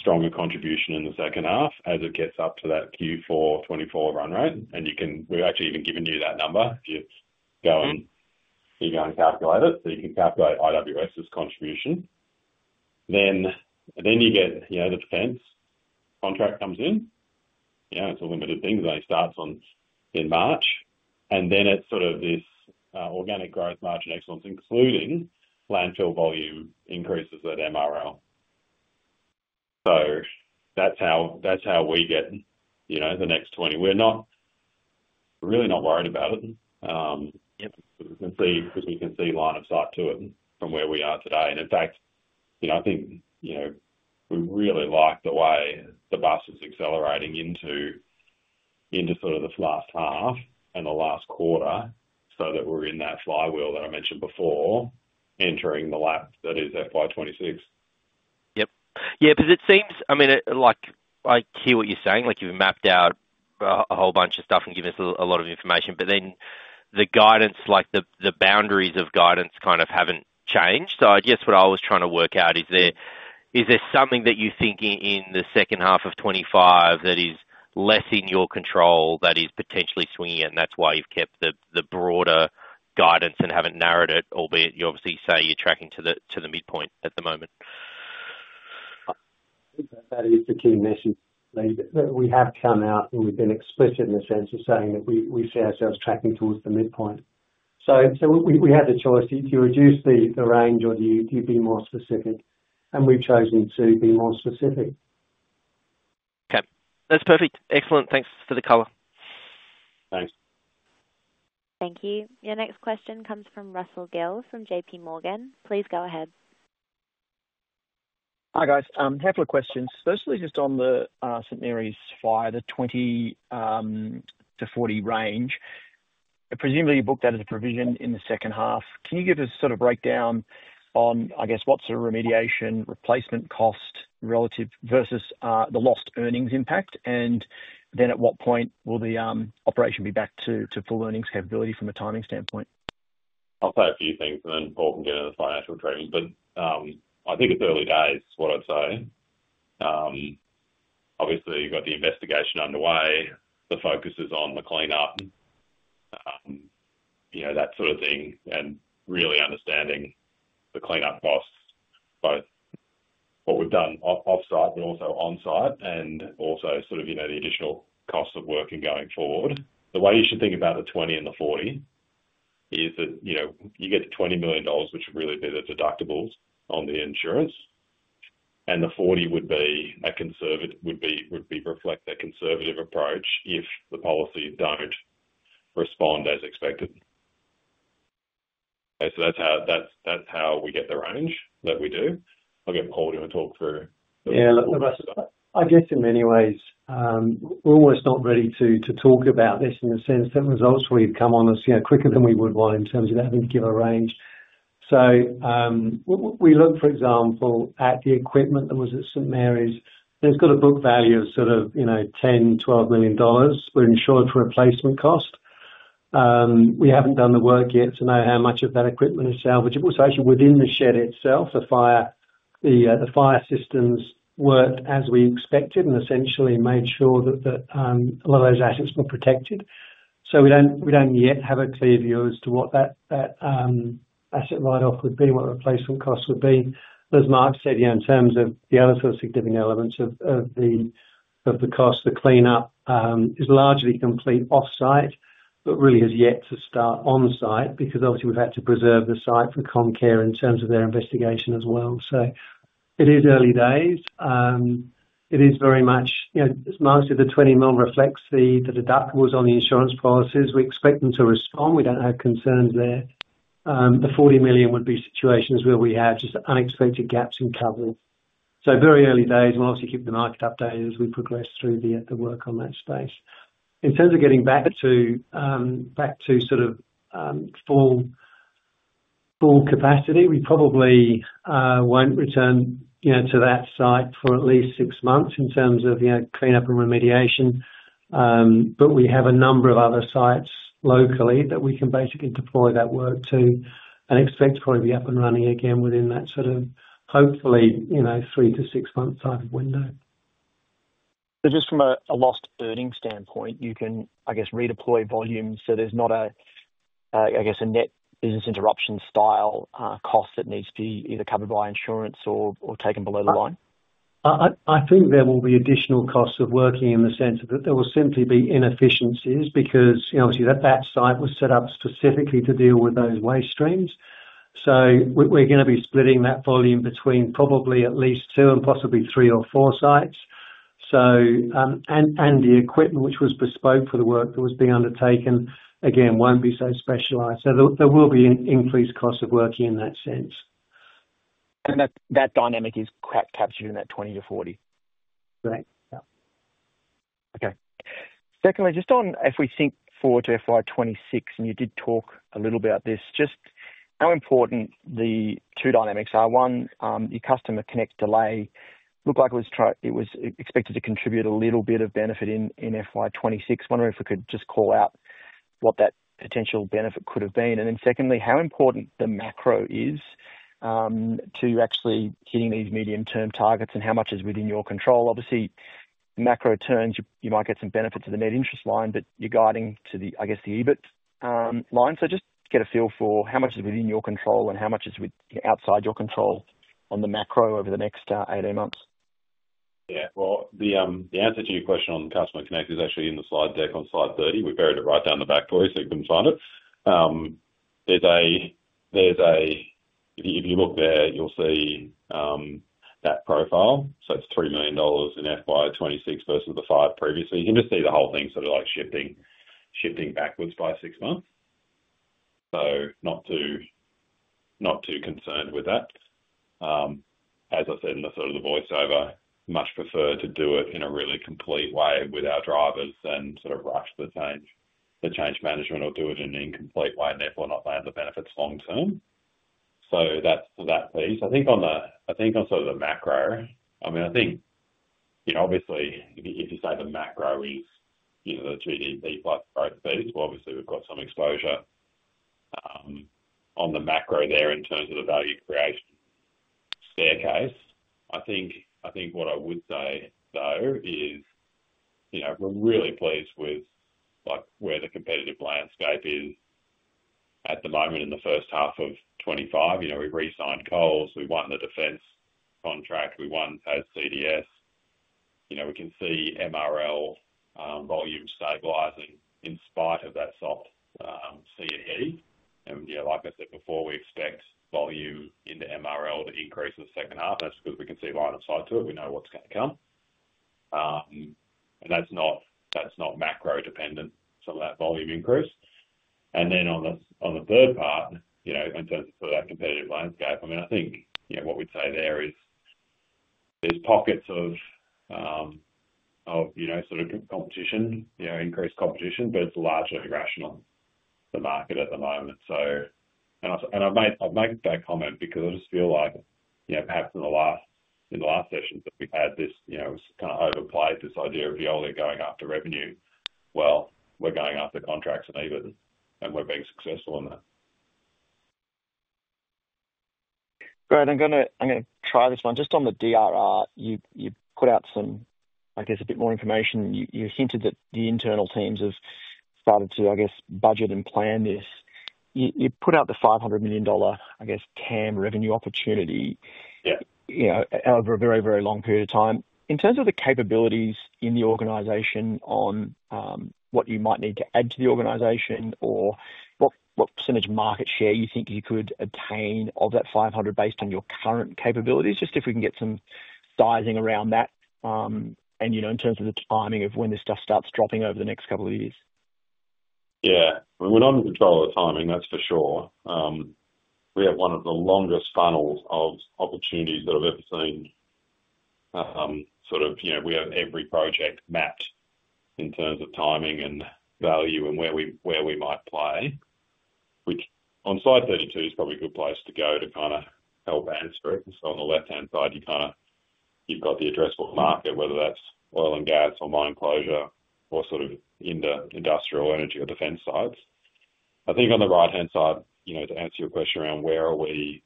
stronger contribution in the second half as it gets up to that Q4 2024 run rate, and we've actually even given you that number. If you go and calculate it, so you can calculate IWS's contribution, then you get the Defence contract comes in. Yeah, it's a limited thing. It only starts in March, and then it's sort of this organic growth, margin excellence, including landfill volume increases at MRL, so that's how we get the next 20. We're really not worried about it. We can see line of sight to it from where we are today, and in fact, I think we really like the way the business is accelerating into sort of the last half and the last quarter so that we're in that flywheel that I mentioned before, entering the lap that is FY 2026. Yep. Yeah. Because it seems I mean, I hear what you're saying. You've mapped out a whole bunch of stuff and given us a lot of information. But then the boundaries of guidance kind of haven't changed. So I guess what I was trying to work out is, is there something that you think in the second half of 2025 that is less in your control that is potentially swinging it, and that's why you've kept the broader guidance and haven't narrowed it, albeit you obviously say you're tracking to the midpoint at the moment? That is the key message. We have come out, and we've been explicit in the sense of saying that we see ourselves tracking towards the midpoint. So we had the choice to reduce the range or to be more specific, and we've chosen to be more specific. Okay. That's perfect. Excellent. Thanks for the color. Thanks. Thank you. Your next question comes from Russell Gill from JPMorgan. Please go ahead. Hi, guys. A couple of questions. Firstly, just on the St Marys fire, the 20 to 40 range, presumably you booked that as a provision in the second half. Can you give us a sort of breakdown on, I guess, what sort of remediation, replacement cost versus the lost earnings impact, and then at what point will the operation be back to full earnings capability from a timing standpoint? I'll say a few things, and then Paul can get into the financial detail. But I think it's early days, is what I'd say. Obviously, you've got the investigation underway. The focus is on the cleanup, that sort of thing, and really understanding the cleanup costs, both what we've done off-site but also on-site, and also sort of the additional cost of working going forward. The way you should think about the 20 and the 40 is that you get $20 million, which would really be the deductibles on the insurance, and the 40 would reflect a conservative approach if the policies don't respond as expected. So that's how we get the range that we do. I'll get Paul to talk through. Yeah. I guess in many ways, we're almost not ready to talk about this in the sense that results we've come on us quicker than we would want in terms of that particular range. So we look, for example, at the equipment that was at St Marys. It's got a book value of sort of $10 million, $12 million for insured for replacement cost. We haven't done the work yet to know how much of that equipment is salvageable. Actually, within the shed itself, the fire systems worked as we expected and essentially made sure that a lot of those assets were protected. So we don't yet have a clear view as to what that asset write-off would be, what replacement cost would be. As Mark said, in terms of the other sort of significant elements of the cost, the cleanup is largely complete off-site, but really has yet to start on-site because obviously we've had to preserve the site for Comcare in terms of their investigation as well. So it is early days. It is very much most of the $20 million reflects the deductibles on the insurance policies. We expect them to respond. We don't have concerns there. The $40 million would be situations where we have just unexpected gaps in coverage. So very early days. We'll obviously keep the market updated as we progress through the work on that space. In terms of getting back to sort of full capacity, we probably won't return to that site for at lEast six months in terms of cleanup and remediation. But we have a number of other sites locally that we can basically deploy that work to and expect to probably be up and running again within that sort of hopefully three to six-month type of window. So just from a lost earnings standpoint, you can, I guess, redeploy volume so there's not a, I guess, a net business interruption style cost that needs to be either covered by insurance or taken below the line? I think there will be additional costs of working in the sense that there will simply be inefficiencies because obviously that site was set up specifically to deal with those waste streams. So we're going to be splitting that volume between probably at lEast two and possibly three or four sites. And the equipment, which was bespoke for the work that was being undertaken, again, won't be so specialized. So there will be an increased cost of working in that sense. And that dynamic is captured in that 20 to 40? Correct. Yeah. Okay. Secondly, just on if we think forward to FY2026, and you did talk a little about this, just how important the two dynamics are. One, your Customer Connect delay looked like it was expected to contribute a little bit of benefit in FY2026. Wondering if we could just call out what that potential benefit could have been. And then secondly, how important the macro is to actually hitting these medium-term targets and how much is within your control. Obviously, macro terms, you might get some benefit to the net interest line, but you're guiding to, I guess, the EBIT line. So just get a feel for how much is within your control and how much is outside your control on the macro over the next eight months. Yeah. Well, the answer to your question on Customer Connect is actually in the Slide deck on Slide 30. We buried it right down the back for you so you couldn't find it. If you look there, you'll see that profile. So it's $3 million in FY2026 versus the five previously. You can just see the whole thing sort of shifting backwards by six months. So not too concerned with that. As I said in the sort of the voiceover, much prefer to do it in a really complete way with our drivers than sort of rush the change management or do it in an incomplete way and therefore not land the benefits long term. So that's that piece. I think on sort of the macro, I mean, I think obviously if you say the macro is the GDP plus growth piece, well, obviously we've got some exposure on the macro there in terms of the Value Creation Staircase. I think what I would say, though, is we're really pleased with where the competitive landscape is at the moment in the first half of 2025. We've re-signed Coles. We won the Defence contract. We won CDS. We can see MRL volume stabilizing in spite of that soft C&I. Like I said before, we expect volume into MRL to increase in the second half. That's because we can see line of sight to it. We know what's going to come. That's not macro-dependent, some of that volume increase. On the third part, in terms of that competitive landscape, I mean, I think what we'd say there is there's pockets of sort of increased competition, but it's largely rational to the market at the moment. I've made that comment because I just feel like perhaps in the last sessions that we've had, it was kind of overplayed this idea of we're only going after revenue. We're going after contracts and we're being successful in that. Right. I'm going to try this one. Just on the DDR, you put out some, I guess, a bit more information. You hinted that the internal teams have started to, I guess, budget and plan this. You put out the $500 million, I guess, TAM revenue opportunity over a very, very long period of time. In terms of the capabilities in the organization on what you might need to add to the organization or what percentage market share you think you could attain of that 500 based on your current capabilities, just if we can get some sizing around that and in terms of the timing of when this stuff starts dropping over the next couple of years. Yeah. We're not in control of the timing, that's for sure. We have one of the longest funnels of opportunities that I've ever seen. Sort of, we have every project mapped in terms of timing and value and where we might play, which on Slide 32 is probably a good place to go to kind of help answer it. On the left-hand side, you've got the addressable market, whether that's oil and gas or mine closure or sort of industrial energy or Defence sites. On the right-hand side, to answer your question around where are we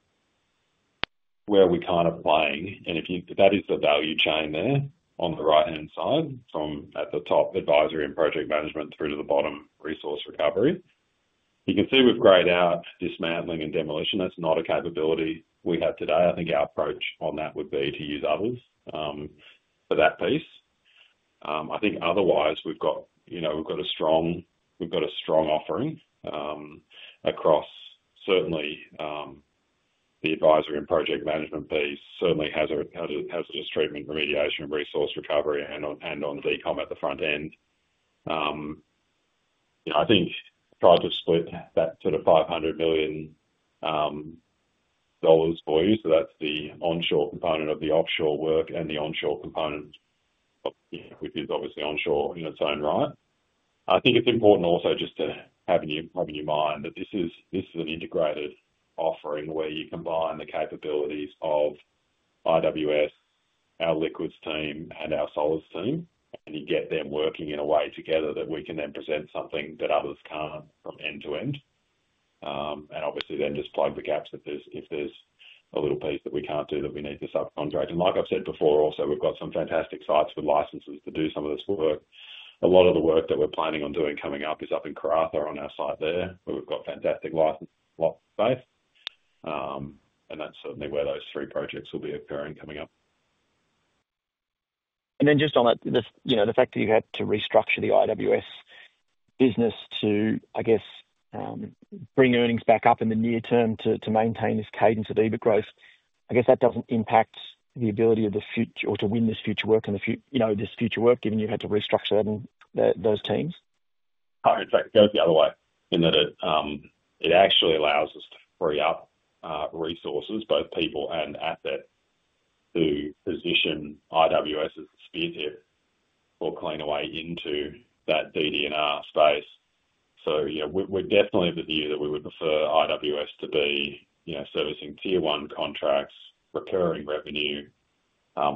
kind of playing, and if that is the value chain there on the right-hand side from at the top advisory and project management through to the bottom resource recovery, you can see we've grayed out dismantling and demolition. That's not a capability we have today. Our approach on that would be to use others for that piece. I think otherwise we've got a strong offering across certainly the advisory and project management piece, certainly hazardous treatment, remediation, resource recovery, and on the decom at the front end. I think try to split that sort of $500 million for you, so that's the onshore component of the offshore work and the onshore component, which is obviously onshore in its own right. I think it's important also just to have in your mind that this is an integrated offering where you combine the capabilities of IWS, our Liquids team, and our Solids team, and you get them working in a way together that we can then present something that others can't from end to end, and obviously then just plug the gaps if there's a little piece that we can't do that we need to subcontract. And like I've said before, also we've got some fantastic sites with licenses to do some of this work. A lot of the work that we're planning on doing coming up is up in on our site there where we've got fantastic licensed space. And that's certainly where those three projects will be occurring coming up. And then just on the fact that you had to restructure the IWS business to, I guess, bring earnings back up in the near term to maintain this cadence of EBIT growth, I guess that doesn't impact the ability of the future or to win this future work in the future, given you had to restructure those teams? No, exactly. It goes the other way in that it actually allows us to free up resources, both people and assets, to position IWS as the spearhead for Cleanaway into that DDR space. So we're definitely of the view that we would prefer IWS to be servicing Tier 1 contracts, recurring revenue,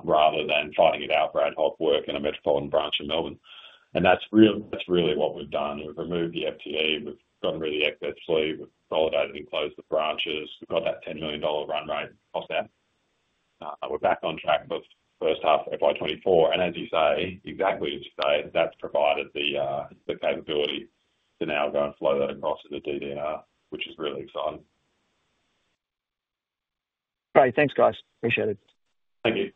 rather than fighting it out for ad hoc work in a metropolitan branch in Melbourne. That's really what we've done. We've removed the FTE. We've gone really excessively. We've consolidated and closed the branches. We've got that $10 million run rate off that. We're back on track for the first half of FY2024. As you say, exactly as you say, that's provided the capability to now go and flow that across to the DDR, which is really exciting. Great. Thanks, guys. Appreciate it. Thank you.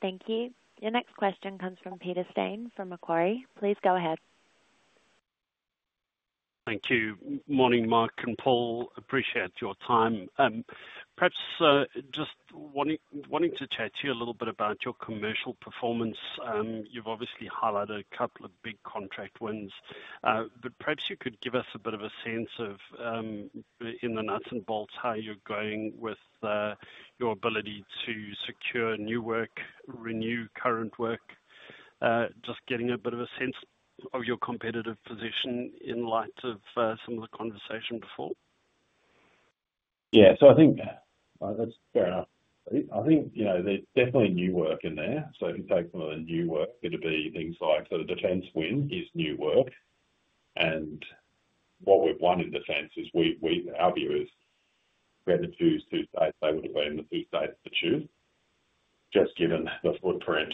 Thank you. Your next question comes from Peter Steyn from Macquarie. Please go ahead. Thank you. Morning, Mark and Paul. Appreciate your time. Perhaps just wanting to chat to you a little bit about your commercial performance. You've obviously highlighted a couple of big contract wins. But perhaps you could give us a bit of a sense of, in the nuts and bolts, how you're going with your ability to secure new work, renew current work, just getting a bit of a sense of your competitive position in light of some of the conversation before. Yeah. So I think that's fair enough. I think there's definitely new work in there. So if you take some of the new work, it'd be things like sort of Defence win is new work. And what we've won in Defence is our view is we're the chosen one. They would have been the ones to choose. Just given the footprint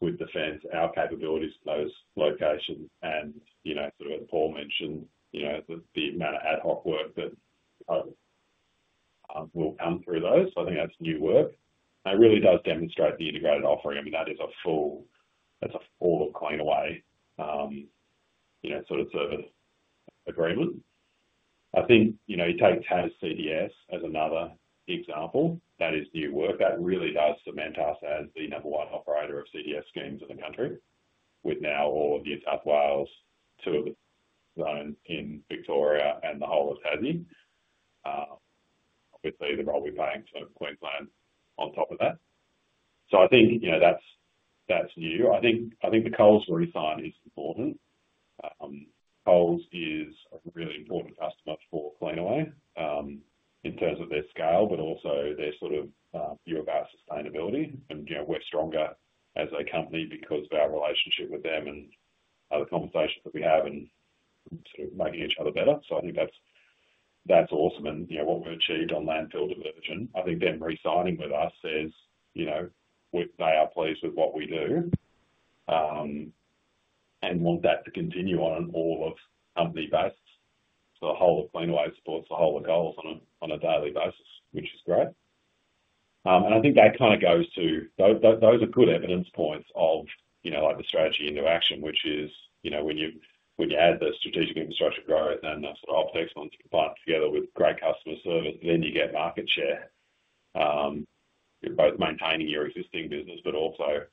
with Defence, our capabilities for those locations and sort of, as Paul mentioned, the amount of ad hoc work that will come through those. So I think that's new work. And it really does demonstrate the integrated offering. I mean, that is a full, that's a full Cleanaway sort of service agreement. I think you take Tas CDS as another example. That is new work. That really does cement us as the number one operator of CDS schemes in the country with now all of the New South Wales, two of the zones in Victoria, and the whole of Tasmania. Obviously, the role we're playing sort of Queensland on top of that. So I think that's new. I think the Coles re-sign is important. Coles is a really important customer for Cleanaway in terms of their scale, but also their sort of view of our sustainability. And we're stronger as a company because of our relationship with them and the conversations that we have and sort of making each other better. So I think that's awesome. And what we've achieved on landfill diversion, I think them re-signing with us says they are pleased with what we do and want that to continue on all of company basis. So the whole of Cleanaway supports the whole of Coles on a daily basis, which is great. And I think that kind of goes to those are good evidence points of the strategy in action, which is when you add the strategic infrastructure growth and the sort of optics when you put it together with great customer service, then you get market share. You're both maintaining your existing business, but also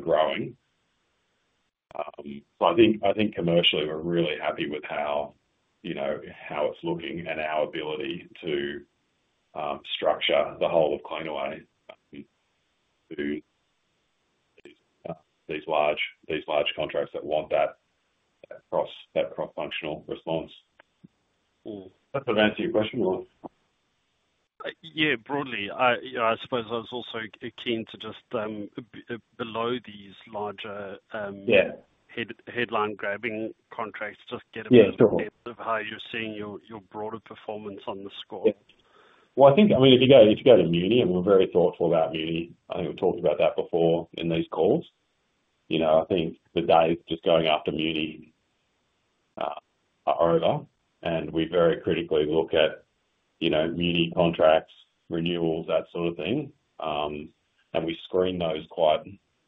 growing. So I think commercially, we're really happy with how it's looking and our ability to structure the whole of Cleanaway to these large contracts that want that cross-functional response. That sort of answers your question or? Yeah, broadly. I suppose I was also keen to just below these larger headline grabbing contracts, just get a bit of how you're seeing your broader performance across the board. Well, I think, I mean, if you go to Muni, and we're very thoughtful about Muni. I think we've talked about that before in these calls. I think the days just going after Muni are over. And we very critically look at Muni contracts, renewals, that sort of thing. And we screen those quite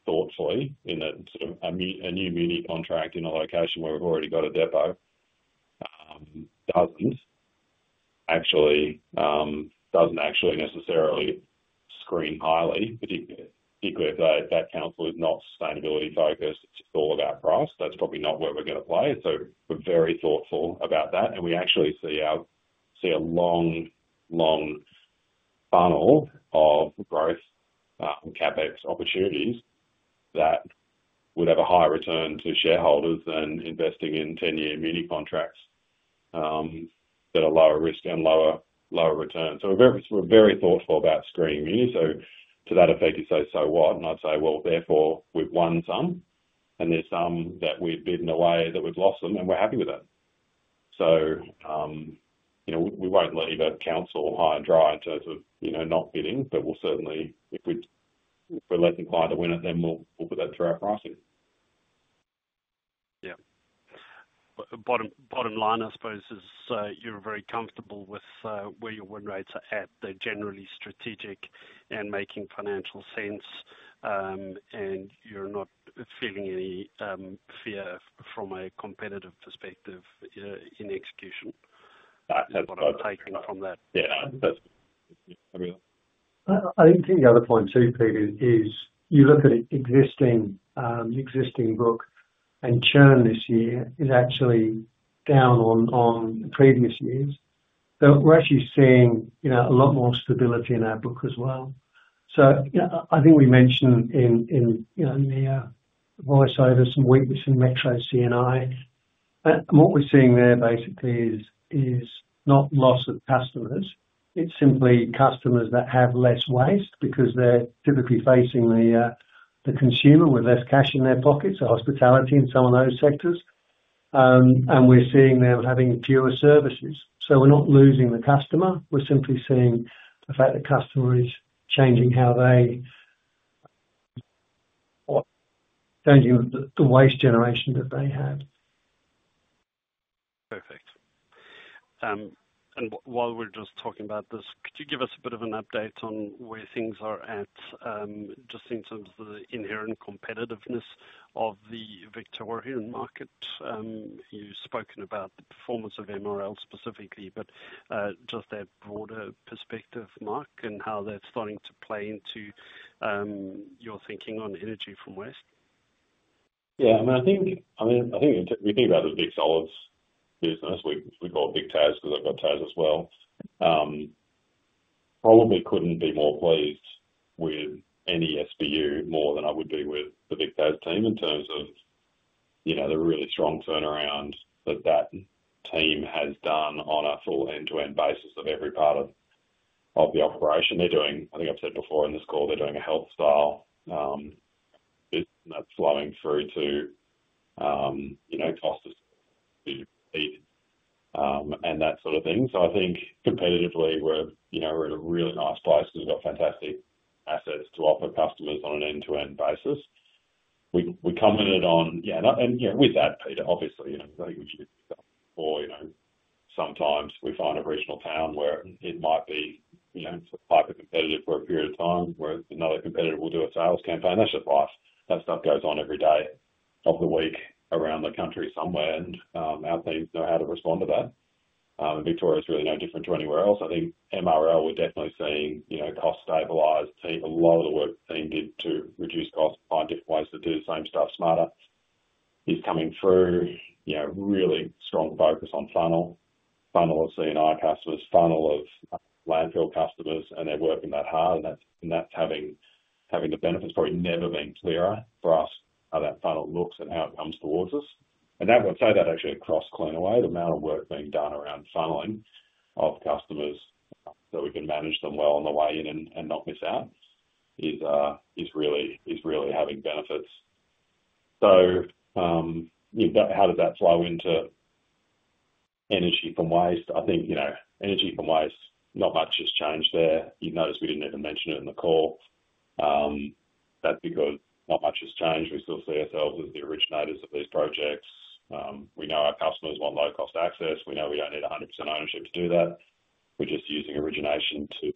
thoughtfully in a new Muni contract in a location where we've already got a depot. Doesn't actually necessarily screen highly, particularly if that council is not sustainability-focused at all of our price. That's probably not where we're going to play, so we're very thoughtful about that, and we actually see a long, long funnel of growth, CapEx opportunities that would have a higher return to shareholders than investing in 10-year Muni contracts that are lower risk and lower return, so we're very thoughtful about screening Muni, so to that effect, you say, "So what?" and I'd say, "Well, therefore, we've won some. And there's some that we've bidden away that we've lost them, and we're happy with that," so we won't leave a council high and dry in terms of not bidding, but we'll certainly, if we're less inclined to win it, then we'll put that through our pricing. Yeah. Bottom line, I suppose, is you're very comfortable with where your win rates are at. They're generally strategic and making financial sense, and you're not feeling any fear from a competitive perspective in execution. That's what I'm taking from that. Yeah. I think the other point too, Pete, is you look at existing book, and churn this year is actually down on previous years, so we're actually seeing a lot more stability in our book as well, so I think we mentioned in the voiceover, some weakness in Metro C&I, and what we're seeing there basically is not loss of customers. It's simply customers that have less waste because they're typically facing the consumer with less cash in their pockets, hospitality in some of those sectors, and we're seeing them having fewer services, so we're not losing the customer. We're simply seeing the fact that customers are changing the waste generation that they have. Perfect. While we're just talking about this, could you give us a bit of an update on where things are at just in terms of the inherent competitiveness of the Victorian market? You've spoken about the performance of MRL specifically, but just that broader perspective, Mark, and how that's starting to play into your thinking on energy from waste. Yeah. I mean, I think we think about the big Solids business. We've got Vic/Tas because I've got Tas as well. Probably couldn't be more pleased with any SBU more than I would be with the Vic/Tas team in terms of the really strong turnaround that that team has done on a full end-to-end basis of every part of the operation. I think I've said before in this call, they're doing a healthy business, and that's flowing through to cost of services and EBIT and that sort of thing. So I think competitively, we're at a really nice place because we've got fantastic assets to offer customers on an end-to-end basis. We commented on, yeah, and with that, Peter, obviously, I think we should do stuff before. Sometimes we find a regional town where it might be hyper-competitive for a period of time where another competitor will do a sales campaign. That's just life. That stuff goes on every day of the week around the country somewhere, and our teams know how to respond to that. Victoria is really no different to anywhere else. I think MRL, we're definitely seeing cost stabilization team. A lot of the work the team did to reduce costs, find different ways to do the same stuff smarter, is coming through. Really strong focus on funnel of C&I customers, funnel of landfill customers, and they're working that hard. And that's having the benefits probably never been clearer for us how that funnel looks and how it comes towards us. And I'd say that actually across Cleanaway, the amount of work being done around funneling of customers so we can manage them well on the way in and not miss out is really having benefits. So how does that flow into energy from waste? I think energy from waste, not much has changed there. You notice we didn't even mention it in the call. That's because not much has changed. We still see ourselves as the originators of these projects. We know our customers want low-cost access. We know we don't need 100% ownership to do that. We're just using origination to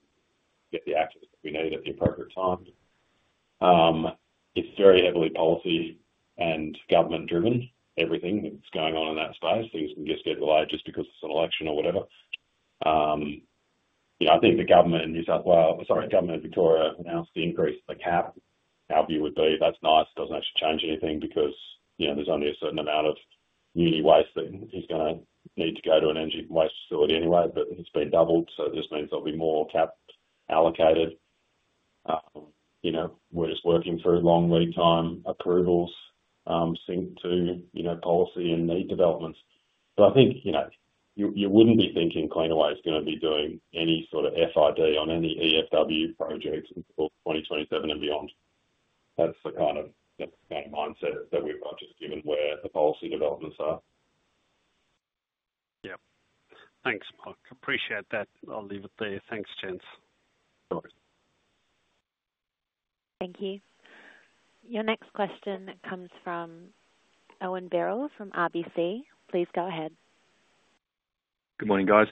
get the access that we need at the appropriate time. It's very heavily policy and government-driven, everything that's going on in that space. Things can just get delayed just because it's an election or whatever. I think the government in New South Wales, sorry, government in Victoria, announced the increase of the cap. Our view would be that's nice. It doesn't actually change anything because there's only a certain amount of muni waste that is going to need to go to an energy waste facility anyway, but it's been doubled. So it just means there'll be more cap allocated. We're just working through long lead time approvals synced to policy and need developments. But I think you wouldn't be thinking Cleanaway is going to be doing any sort of FID on any EFW projects until 2027 and beyond. That's the kind of mindset that we've got just given where the policy developments are. Yeah. Thanks, Mark. Appreciate that. I'll leave it there. Thanks, gents. Thank you. Your next question comes from Owen Birrell from RBC. Please go ahead. Good morning, guys.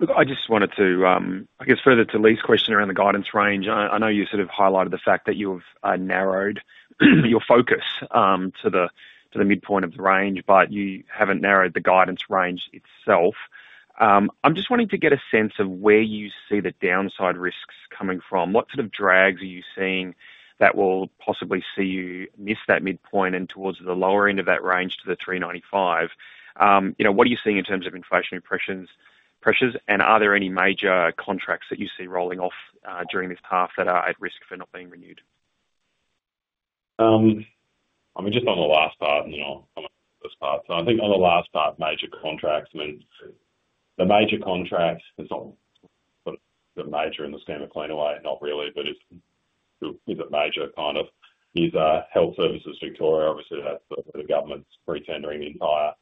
Look, I just wanted to, I guess, further to Lee's question around the guidance range. I know you sort of highlighted the fact that you've narrowed your focus to the midpoint of the range, but you haven't narrowed the guidance range itself. I'm just wanting to get a sense of where you see the downside risks coming from. What sort of drags are you seeing that will possibly see you miss that midpoint and towards the lower end of that range to the 395? What are you seeing in terms of inflationary pressures? And are there any major contracts that you see rolling off during this path that are at risk for not being renewed? I mean, just on the last part, and then I'll come up with this part. So I think on the last part, major contracts. I mean, the major contracts. It's not the major in the scheme of Cleanaway, not really, but is it major kind of. Is Health Services Victoria. Obviously, that's the government's pre-tendering the entire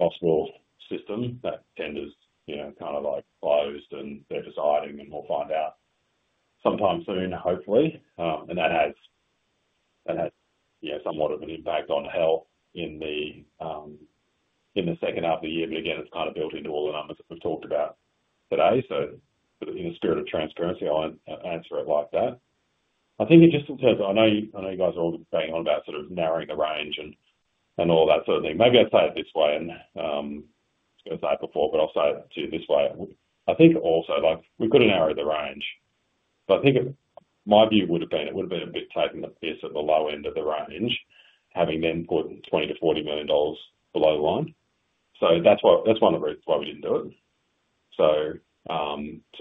hospital system. That tender's kind of closed, and they're deciding, and we'll find out sometime soon, hopefully. And that has somewhat of an impact on health in the second half of the year. But again, it's kind of built into all the numbers that we've talked about today. So in the spirit of transparency, I won't answer it like that. I think it just in terms of. I know you guys are all banging on about sort of narrowing the range and all that sort of thing. Maybe I'll say it this way, and I've said it before, but I'll say it this way. I think also, we could have narrowed the range. But I think my view would have been it would have been a bit taking the figures at the low end of the range, having them put $20 million-$40 million below the line. So that's one of the reasons why we didn't do it. So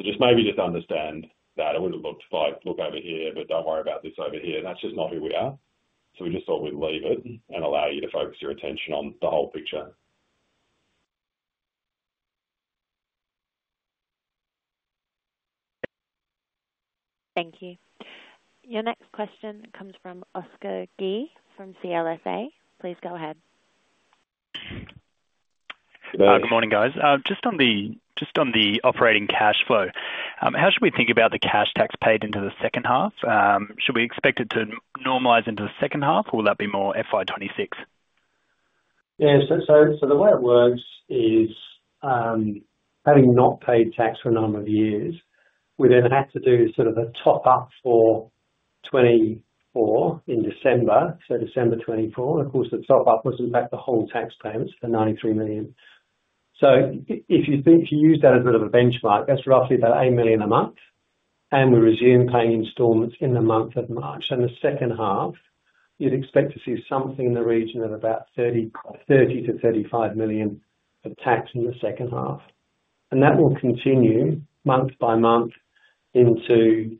just maybe just understand that it would have looked like, "Look over here, but don't worry about this over here." That's just not who we are. So we just thought we'd leave it and allow you to focus your attention on the whole picture. Thank you. Your next question comes from Oscar Gee from CLSA. Please go ahead. Good morning, guys. Just on the operating cash flow, how should we think about the cash tax paid in the second half? Should we expect it to normalize into the second half, or will that be more FY2026? Yeah. The way it works is having not paid tax for a number of years, we then have to do sort of a top-up for 2024 in December. December 2024. Of course, the top-up was in fact the whole tax payments for $93 million. If you use that as a bit of a benchmark, that's roughly about $8 million a month. We resume paying installments in the month of March. In the second half, you'd expect to see something in the region of about $30 million-$35 million of tax in the second half. That will continue month by month into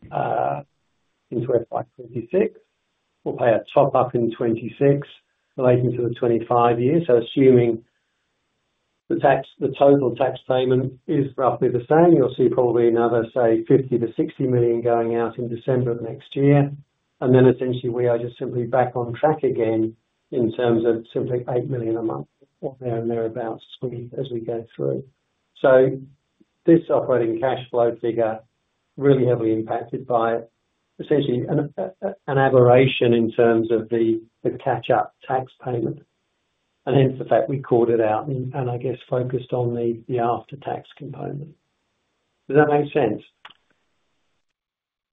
FY2026. We'll pay a top-up in 2026 relating to the 2025 year. So assuming the total tax payment is roughly the same, you'll see probably another, say, $50 million-$60 million going out in December of next year. And then essentially, we are just simply back on track again in terms of simply $8 million a month or there and thereabouts as we go through. So this operating cash flow figure is really heavily impacted by essentially an aberration in terms of the catch-up tax payment. And hence the fact we called it out and I guess focused on the after-tax component. Does that make sense?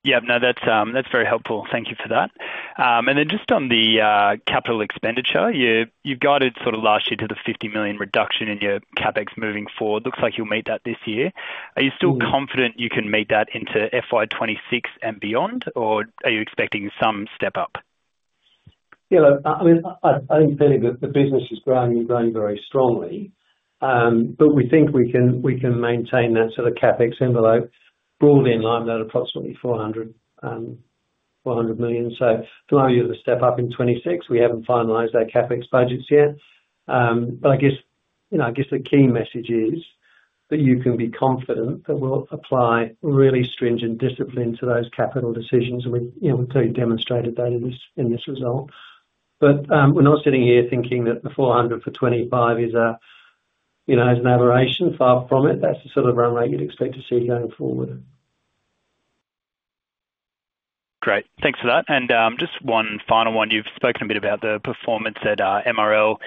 Yeah. No, that's very helpful. Thank you for that. And then just on the capital expenditure, you've guided sort of last year to the $50 million reduction in your CapEx moving forward. Looks like you'll meet that this year. Are you still confident you can meet that into FY2026 and beyond, or are you expecting some step-up? Yeah. Look, I mean, I think clearly the business is growing and growing very strongly. But we think we can maintain that sort of CapEx envelope broadly in line with that approximately $400 million. So from our view, the step-up in 2026, we haven't finalized our CapEx budgets yet. But I guess the key message is that you can be confident that we'll apply really stringent discipline to those capital decisions. And we've clearly demonstrated that in this result. But we're not sitting here thinking that the $400 million for 2025 is an aberration, far from it. That's the sort of run rate you'd expect to see going forward. Great. Thanks for that. And just one final one. You've spoken a bit about the performance at MRL.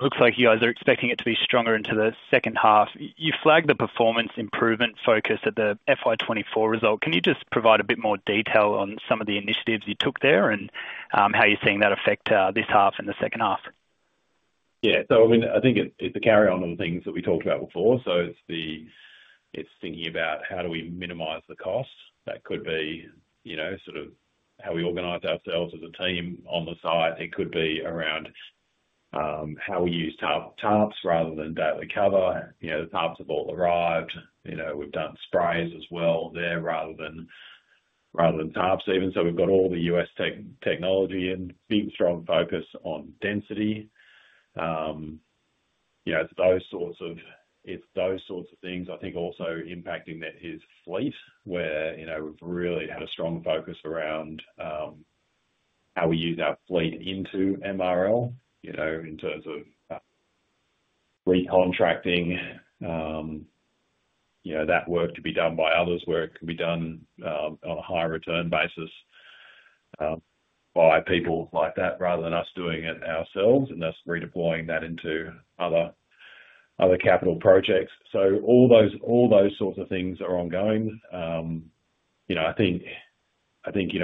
Looks like you guys are expecting it to be stronger into the second half. You flagged the performance improvement focus at the FY2024 result. Can you just provide a bit more detail on some of the initiatives you took there and how you're seeing that affect this half and the second half? Yeah. So I mean, I think it's a carry-on on things that we talked about before. So it's thinking about how do we minimize the cost. That could be sort of how we organize ourselves as a team on the site. It could be around how we use tarps rather than daily cover. The tarps have all arrived. We've done sprays as well there rather than tarps even. So we've got all the US technology and big strong focus on density. It's those sorts of things I think also impacting that is fleet, where we've really had a strong focus around how we use our fleet into MRL in terms of recontracting that work to be done by others where it can be done on a high return basis by people like that rather than us doing it ourselves. And that's redeploying that into other capital projects. So all those sorts of things are ongoing. I think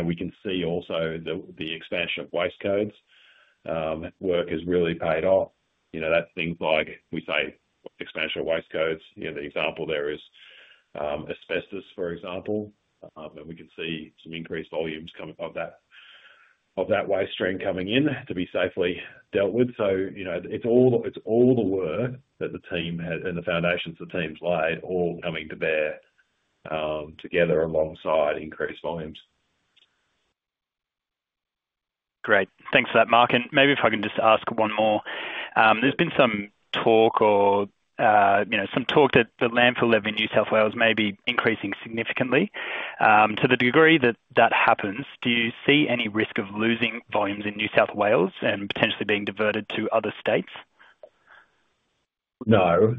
we can see also the expansion of waste codes work has really paid off. That's things like we say expansion of waste codes. The example there is asbestos, for example. And we can see some increased volumes of that waste stream coming in to be safely dealt with. So it's all the work that the team and the foundations of the team's lay all coming to bear together alongside increased volumes. Great. Thanks for that, Mark. And maybe if I can just ask one more. There's been some talk that the landfill level in New South Wales may be increasing significantly. To the degree that that happens, do you see any risk of losing volumes in New South Wales and potentially being diverted to other states? No.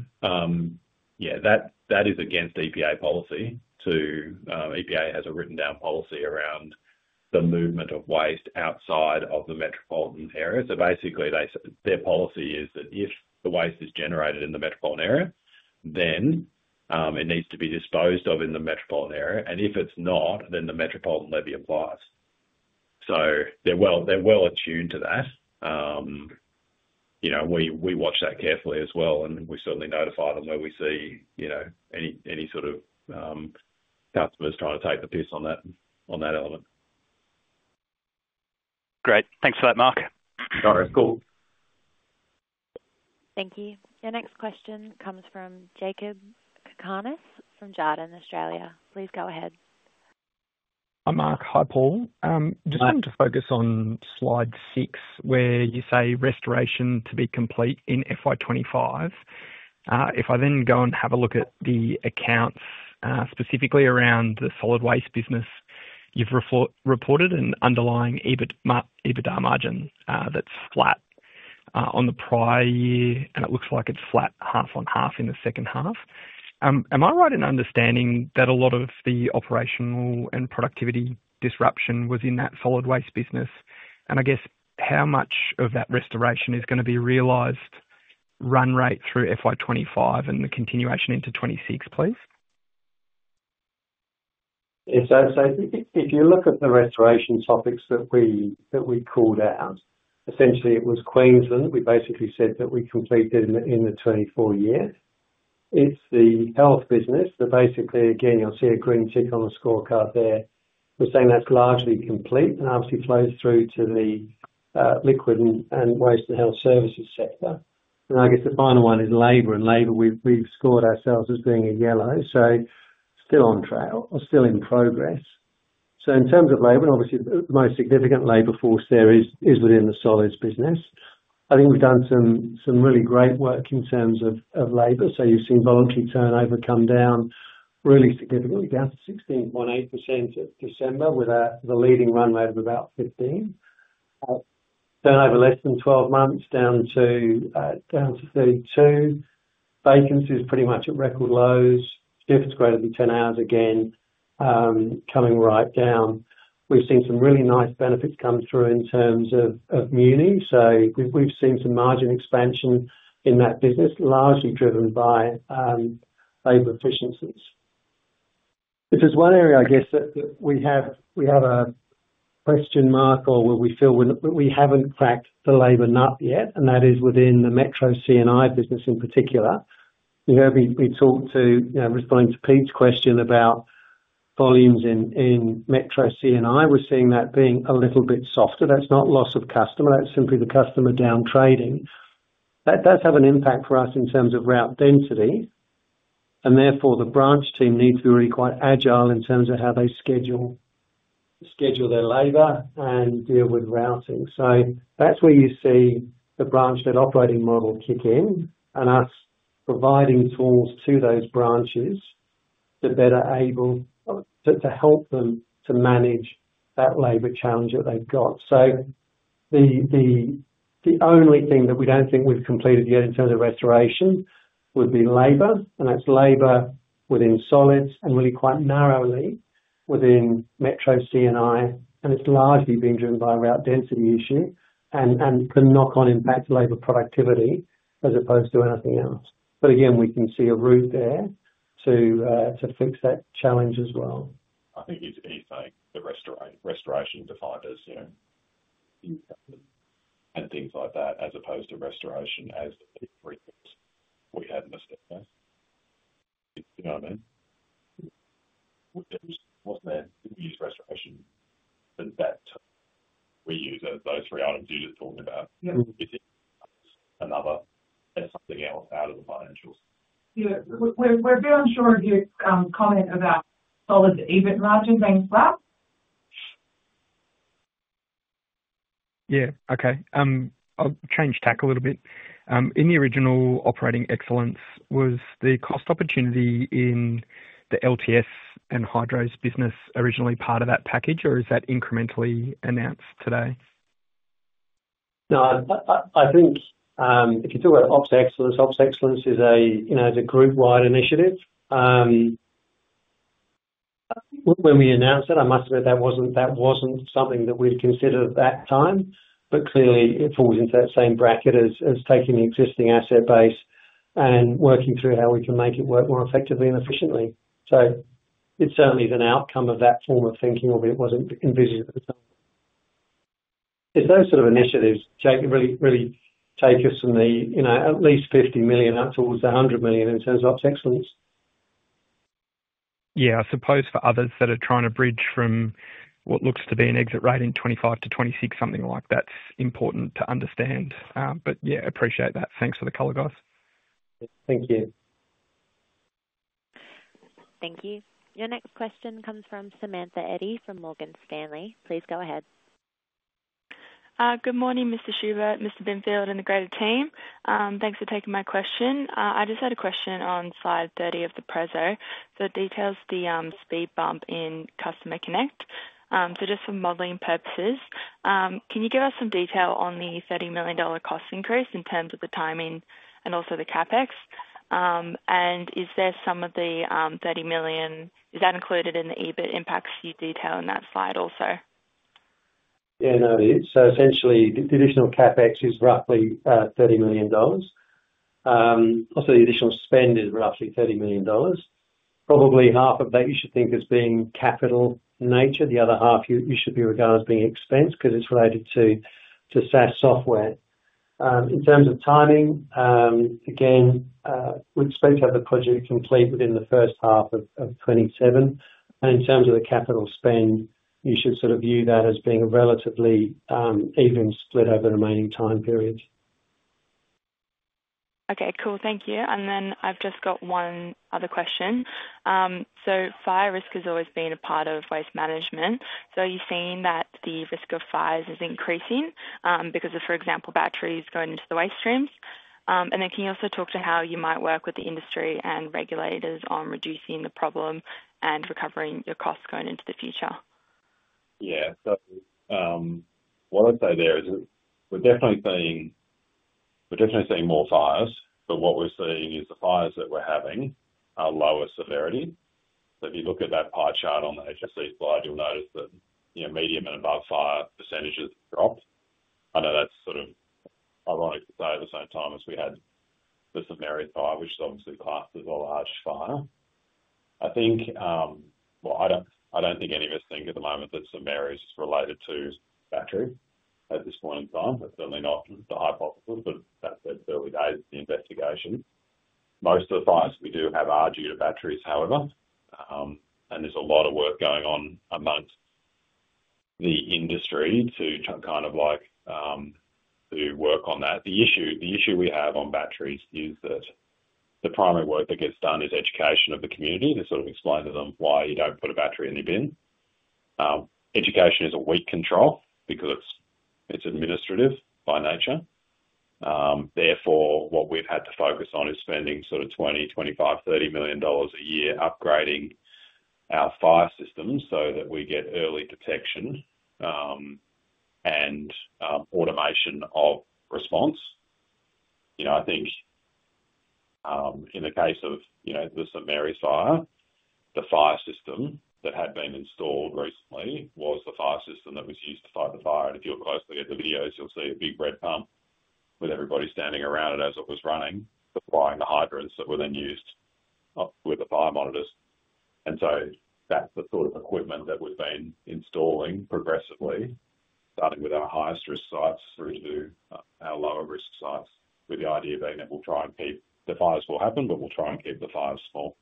Yeah. That is against EPA policy. EPA has a written-down policy around the movement of waste outside of the metropolitan area. So basically, their policy is that if the waste is generated in the metropolitan area, then it needs to be disposed of in the metropolitan area. And if it's not, then the metropolitan levy applies. So they're well attuned to that. We watch that carefully as well. And we certainly notify them where we see any sort of customers trying to take the piss on that element. Great. Thanks for that, Mark. All right. Cool. Thank you. Your next question comes from Jakob Cakarnis from Jarden, Australia. Please go ahead. Hi, Mark. Hi, Paul. Just wanted to focus on Slide six, where you say restoration to be complete in FY2025. If I then go and have a look at the accounts specifically around the Solid Waste business, you've reported an underlying EBITDA margin that's flat on the prior year, and it looks like it's flat half on half in the second half. Am I right in understanding that a lot of the operational and productivity disruption was in that Solid Waste business? And I guess how much of that restoration is going to be realized run rate through FY2025 and the continuation into '26, please? So if you look at the restoration topics that we called out, essentially, it was Queensland. We basically said that we completed in the 2024 year. It's the health business. So basically, again, you'll see a green tick on the scorecard there. We're saying that's largely complete and obviously flows through to the Liquid Waste and Health Services sector. I guess the final one is labour. labour, we've scored ourselves as being a yellow. So still on track or still in progress. In terms of labour, and obviously, the most significant labour force there is within the Solids business. I think we've done some really great work in terms of labour. You've seen voluntary turnover come down really significantly, down to 16.8% in December with a leading run rate of about 15%. Turnover less than 12 months down to 32%. Vacancies pretty much at record lows. Shifts greater than 10 hours again coming right down. We've seen some really nice benefits come through in terms of municipal. So we've seen some margin expansion in that business, largely driven by labour efficiencies. If there's one area, I guess, that we have a question mark or where we feel we haven't cracked the labour nut yet, and that is within the Metro C&I business in particular. In responding to Pete's question about volumes in Metro C&I. We're seeing that being a little bit softer. That's not loss of customer. That's simply the customer down trading. That does have an impact for us in terms of route-density. And therefore, the branch team needs to be really quite agile in terms of how they schedule their labour and deal with routing. That's where you see the branch-led operating model kick in and us providing tools to those branches to better able to help them to manage that labour challenge that they've got. So the only thing that we don't think we've completed yet in terms of restoration would be labour. And that's labour within solids and really quite narrowly within Metro C&I. And it's largely being driven by route-density issue and the knock-on impact to labour productivity as opposed to anything else. But again, we can see a route there to fix that challenge as well. I think it's the restoration dividers and things like that as opposed to restoration as the three things we had in the state. You know what I mean? We didn't use restoration in that. We use those three items you're just talking about. It's another something else out of the financials. We're very unsure of your comment about solid EBITDA being flat? Yeah. Okay. I'll change tack a little bit. In the original operating excellence, was the cost opportunity in the LTS and Hydros business originally part of that package, or is that incrementally announced today? No. I think if you talk about OpEx Excellence, OpEx Excellence is a group-wide initiative. When we announced it, I must admit that wasn't something that we'd considered at that time. But clearly, it falls into that same bracket as taking the existing asset base and working through how we can make it work more effectively and efficiently. So it certainly is an outcome of that form of thinking, although it wasn't envisioned at the time. If those sort of initiatives, Jakob, really take us from at lEast $50 million up towards $100 million in terms of OpEx Excellence. Yeah. I suppose for others that are trying to bridge from what looks to be an exit rate in 2025 to 2026, something like that's important to understand. But yeah, appreciate that. Thanks for the color, guys. Thank you. Thank you. Your next question comes from Samantha Edie from Morgan Stanley. Please go ahead. Good morning, Mr. Schubert, Mr. Binfield, and the greater team. Thanks for taking my question. I just had a question on Slide 30 of the prezo that details the speed bump in Customer Connect. So just for modeling purposes, can you give us some detail on the $30 million cost increase in terms of the timing and also the CapEx? And is there some of the $30 million? Is that included in the EBIT impacts you detail in that Slide also? Yeah, no, it is. So essentially, the additional CapEx is roughly $30 million. Also, the additional spend is roughly $30 million. Probably half of that you should think as being capital nature. The other half you should be regarded as being expense because it's related to SaaS software. In terms of timing, again, we expect to have the project complete within the first half of 2027. And in terms of the capital spend, you should sort of view that as being relatively even split over the remaining time periods. Okay. Cool. Thank you. And then I've just got one other question. So fire risk has always been a part of waste management. So are you seeing that the risk of fires is increasing because of, for example, batteries going into the waste streams? And then can you also talk to how you might work with the industry and regulators on reducing the problem and recovering your costs going into the future? Yeah. What I'd say there is we're definitely seeing more fires. But what we're seeing is the fires that we're having are lower severity. If you look at that pie chart on the HSE Slide, you'll notice that medium and above fire percentages have dropped. I know that's sort of ironic to say at the same time as we had the St Marys fire, which is obviously classed as a large fire. I think, well, I don't think any of us think at the moment that St Marys is related to batteries at this point in time. That's certainly not the hypothesis, but that's at the early days of the investigation. Most of the fires we do have are due to batteries, however. And there's a lot of work going on among the industry to kind of work on that. The issue we have on batteries is that the primary work that gets done is education of the community to sort of explain to them why you don't put a battery in the bin. Education is a weak control because it's administrative by nature. Therefore, what we've had to focus on is spending sort of $20 million, $25 million, $30 million a year upgrading our fire systems so that we get early detection and automation of response. I think in the case of the St Marys fire, the fire system that had been installed recently was the fire system that was used to fight the fire, and if you'll closely look at the videos, you'll see a big red pump with everybody standing around it as it was running, supplying the hydrants that were then used with the fire monitors. And so that's the sort of equipment that we've been installing progressively, starting with our highest risk sites through to our lower risk sites, with the idea being that we'll try and keep the fires will happen, but we'll try and keep the fires small.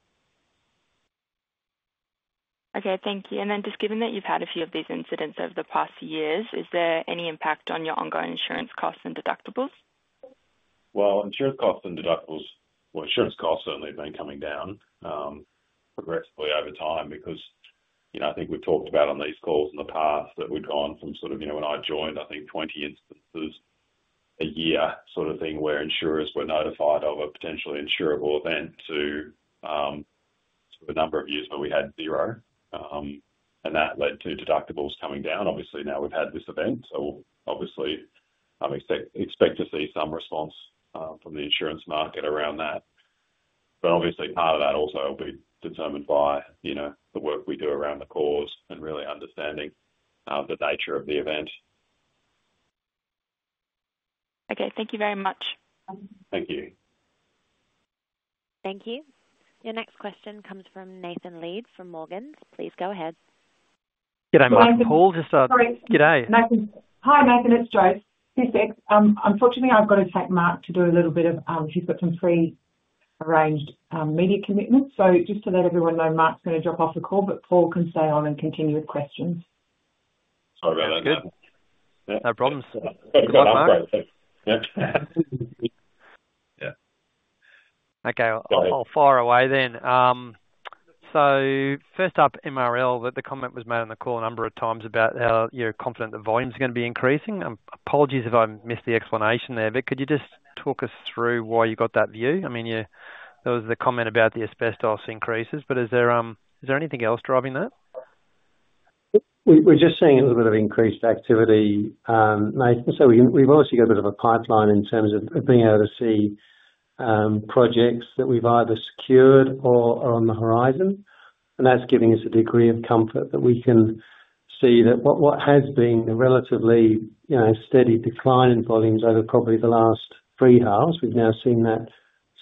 Okay. Thank you. And then just given that you've had a few of these incidents over the past years, is there any impact on your ongoing insurance costs and deductibles? Well, insurance costs and deductibles certainly have been coming down progressively over time because I think we've talked about on these calls in the past that we've gone from sort of when I joined, I think, 20 instances a year sort of thing where insurers were notified of a potentially insurable event to a number of years where we had zero. And that led to deductibles coming down. Obviously, now we've had this event. So obviously, I expect to see some response from the insurance market around that. But obviously, part of that also will be determined by the work we do around the cause and really understanding the nature of the event. Okay. Thank you very much. Thank you. Thank you. Your next question comes from Nathan Lead from Morgans. Please go ahead. Good day. Sorry. Hi, Nathan. It's Josie. Unfortunately, I've got to take Mark. He's got some pre-arranged media commitments. So just to let everyone know, Mark's going to drop off the call, but Paul can stay on and continue with questions. Sorry about that. No problems. Good night, Mark. Yeah. Okay. I'll fire away then. So first up, MRL, that the comment was made on the call a number of times about how you're confident the volume is going to be increasing. Apologies if I missed the explanation there, but could you just talk us through why you got that view? I mean, there was the comment about the asbestos increases, but is there anything else driving that? We're just seeing a little bit of increased activity. So we've obviously got a bit of a pipeline in terms of being able to see projects that we've either secured or are on the horizon. And that's giving us a degree of comfort that we can see that what has been a relatively steady decline in volumes over probably the last three halves, we've now seen that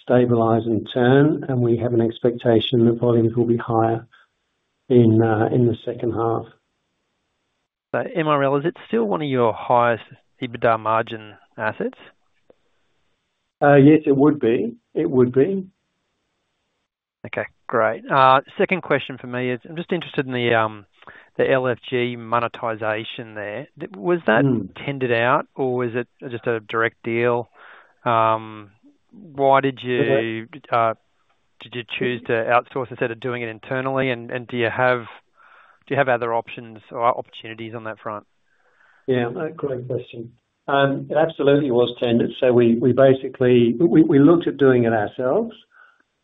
stabilize and turn, and we have an expectation that volumes will be higher in the second half. MRL, is it still one of your highest EBITDA margin assets? Yes, it would be. It would be. Okay. Great. Second question for me is I'm just interested in the LFG monetization there. Was that tendered out, or was it just a direct deal? Why did you choose to outsource instead of doing it internally? And do you have other options or opportunities on that front? Yeah. Great question. It absolutely was tendered. So we looked at doing it ourselves.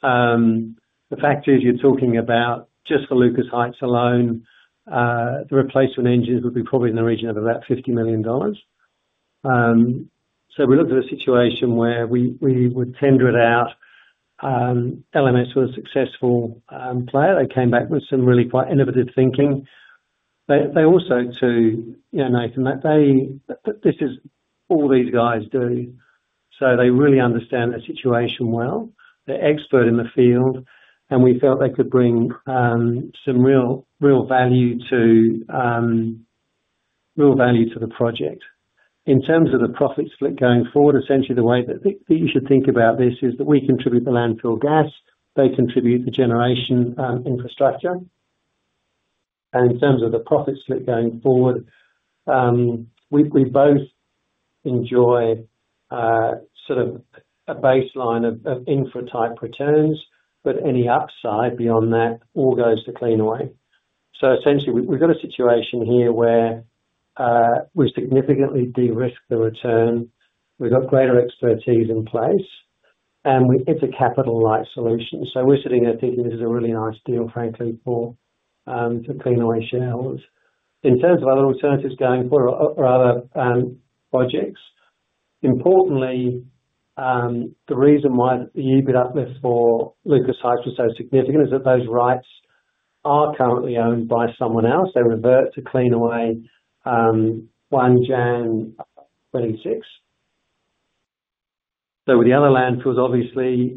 The fact is you're talking about just for Lucas Heights alone, the replacement engines would be probably in the region of about $50 million. So we looked at a situation where we would tender it out. LMS were a successful player. They came back with some really quite innovative thinking. They also, too, Nathan, this is all these guys do. So they really understand the situation well. They're experts in the field, and we felt they could bring some real value to the project. In terms of the profit split going forward, essentially, the way that you should think about this is that we contribute the landfill gas. They contribute the generation infrastructure, and in terms of the profit split going forward, we both enjoy sort of a baseline of infra-type returns, but any upside beyond that all goes to Cleanaway. So essentially, we've got a situation here where we significantly de-risk the return. We've got greater expertise in place, and it's a capital-like solution. So we're sitting here thinking this is a really nice deal, frankly, for Cleanaway's. In terms of other alternatives going forward or other projects, importantly, the reason why the EBIT uplift for Lucas Heights was so significant is that those rights are currently owned by someone else. They revert to Cleanaway 1 January 2026, so with the other landfills, obviously,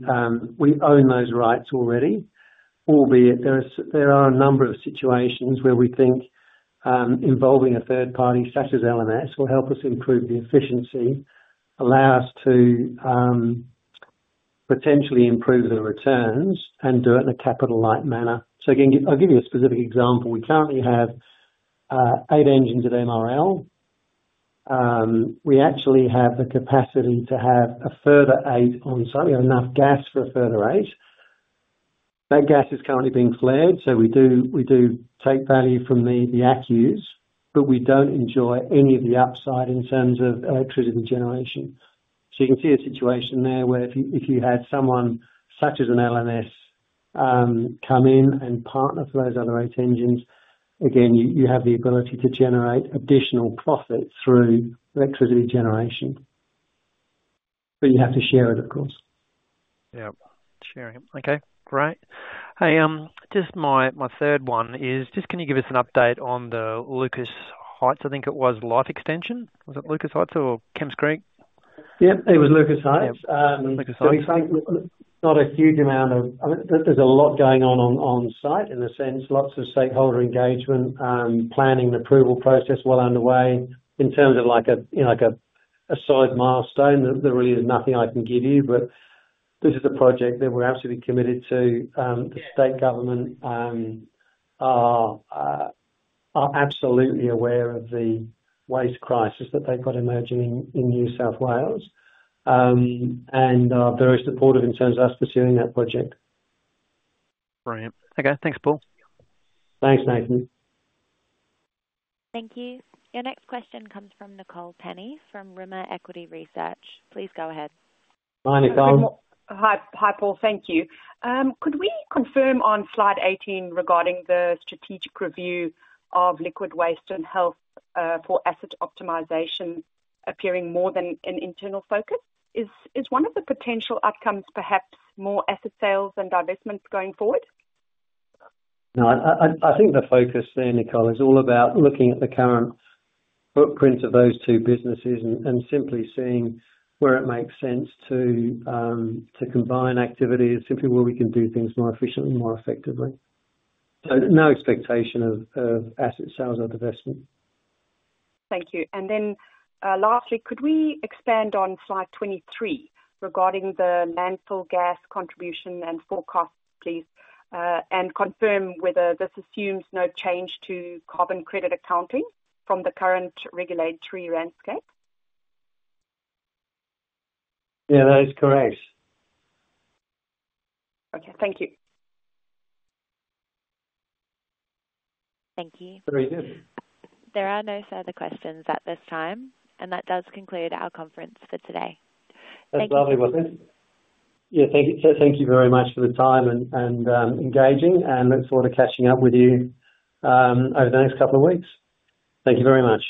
we own those rights already, albeit there are a number of situations where we think involving a third party such as LMS will help us improve the efficiency, allow us to potentially improve the returns, and do it in a capital-like manner, so again, I'll give you a specific example. We currently have eight engines at MRL. We actually have the capacity to have a further eight on site. We have enough gas for a further eight. That gas is currently being flared, so we do take value from the ACCUs, but we don't enjoy any of the upside in terms of electricity generation. So you can see a situation there where if you had someone such as an LMS come in and partner for those other eight engines, again, you have the ability to generate additional profit through electricity generation. But you have to share it, of course. Yeah. Share him. Okay. Great. Hey, just my third one is just can you give us an update on the Lucas Heights? I think it was Life Extension? Was it Lucas Heights or Kemps Creek? Yep. It was Lucas Heights. Lucas Heights. Not a huge amount, but there's a lot going on on-site in a sense. Lots of stakeholder engagement, planning, and approval process well underway. In terms of a solid milestone, there really is nothing I can give you. But this is a project that we're absolutely committed to the state government are absolutely aware of the waste crisis that they've got emerging in New South Wales and are very supportive in terms of us pursuing that project. Brilliant. Okay. Thanks, Paul. Thanks, Nathan. Thank you. Your next question comes from Nicole Penny from Rimor Equity Research. Please go ahead. Hi, Nicole. Hi, Paul. Thank you. Could we confirm on Slide 18 regarding the strategic review of Liquid Waste and health for asset optimization appearing more than an internal focus? Is one of the potential outcomes perhaps more asset sales and divestment going forward? No. I think the focus there, Nicole, is all about looking at the current footprint of those two businesses and simply seeing where it makes sense to combine activities, simply where we can do things more efficiently, more effectively. So no expectation of asset sales or divestment. Thank you. And then lastly, could we expand on Slide 23 regarding the landfill gas contribution and forecast, please, and confirm whether this assumes no change to carbon credit accounting from the current regulatory landscape? Yeah. That is correct. Okay. Thank you. Thank you. Very good. There are no further questions at this time. And that does conclude our conference for today. That's lovely, wasn't it? Yeah. Thank you very much for the time and engaging. And look forward to catching up with you over the next couple of weeks. Thank you very much.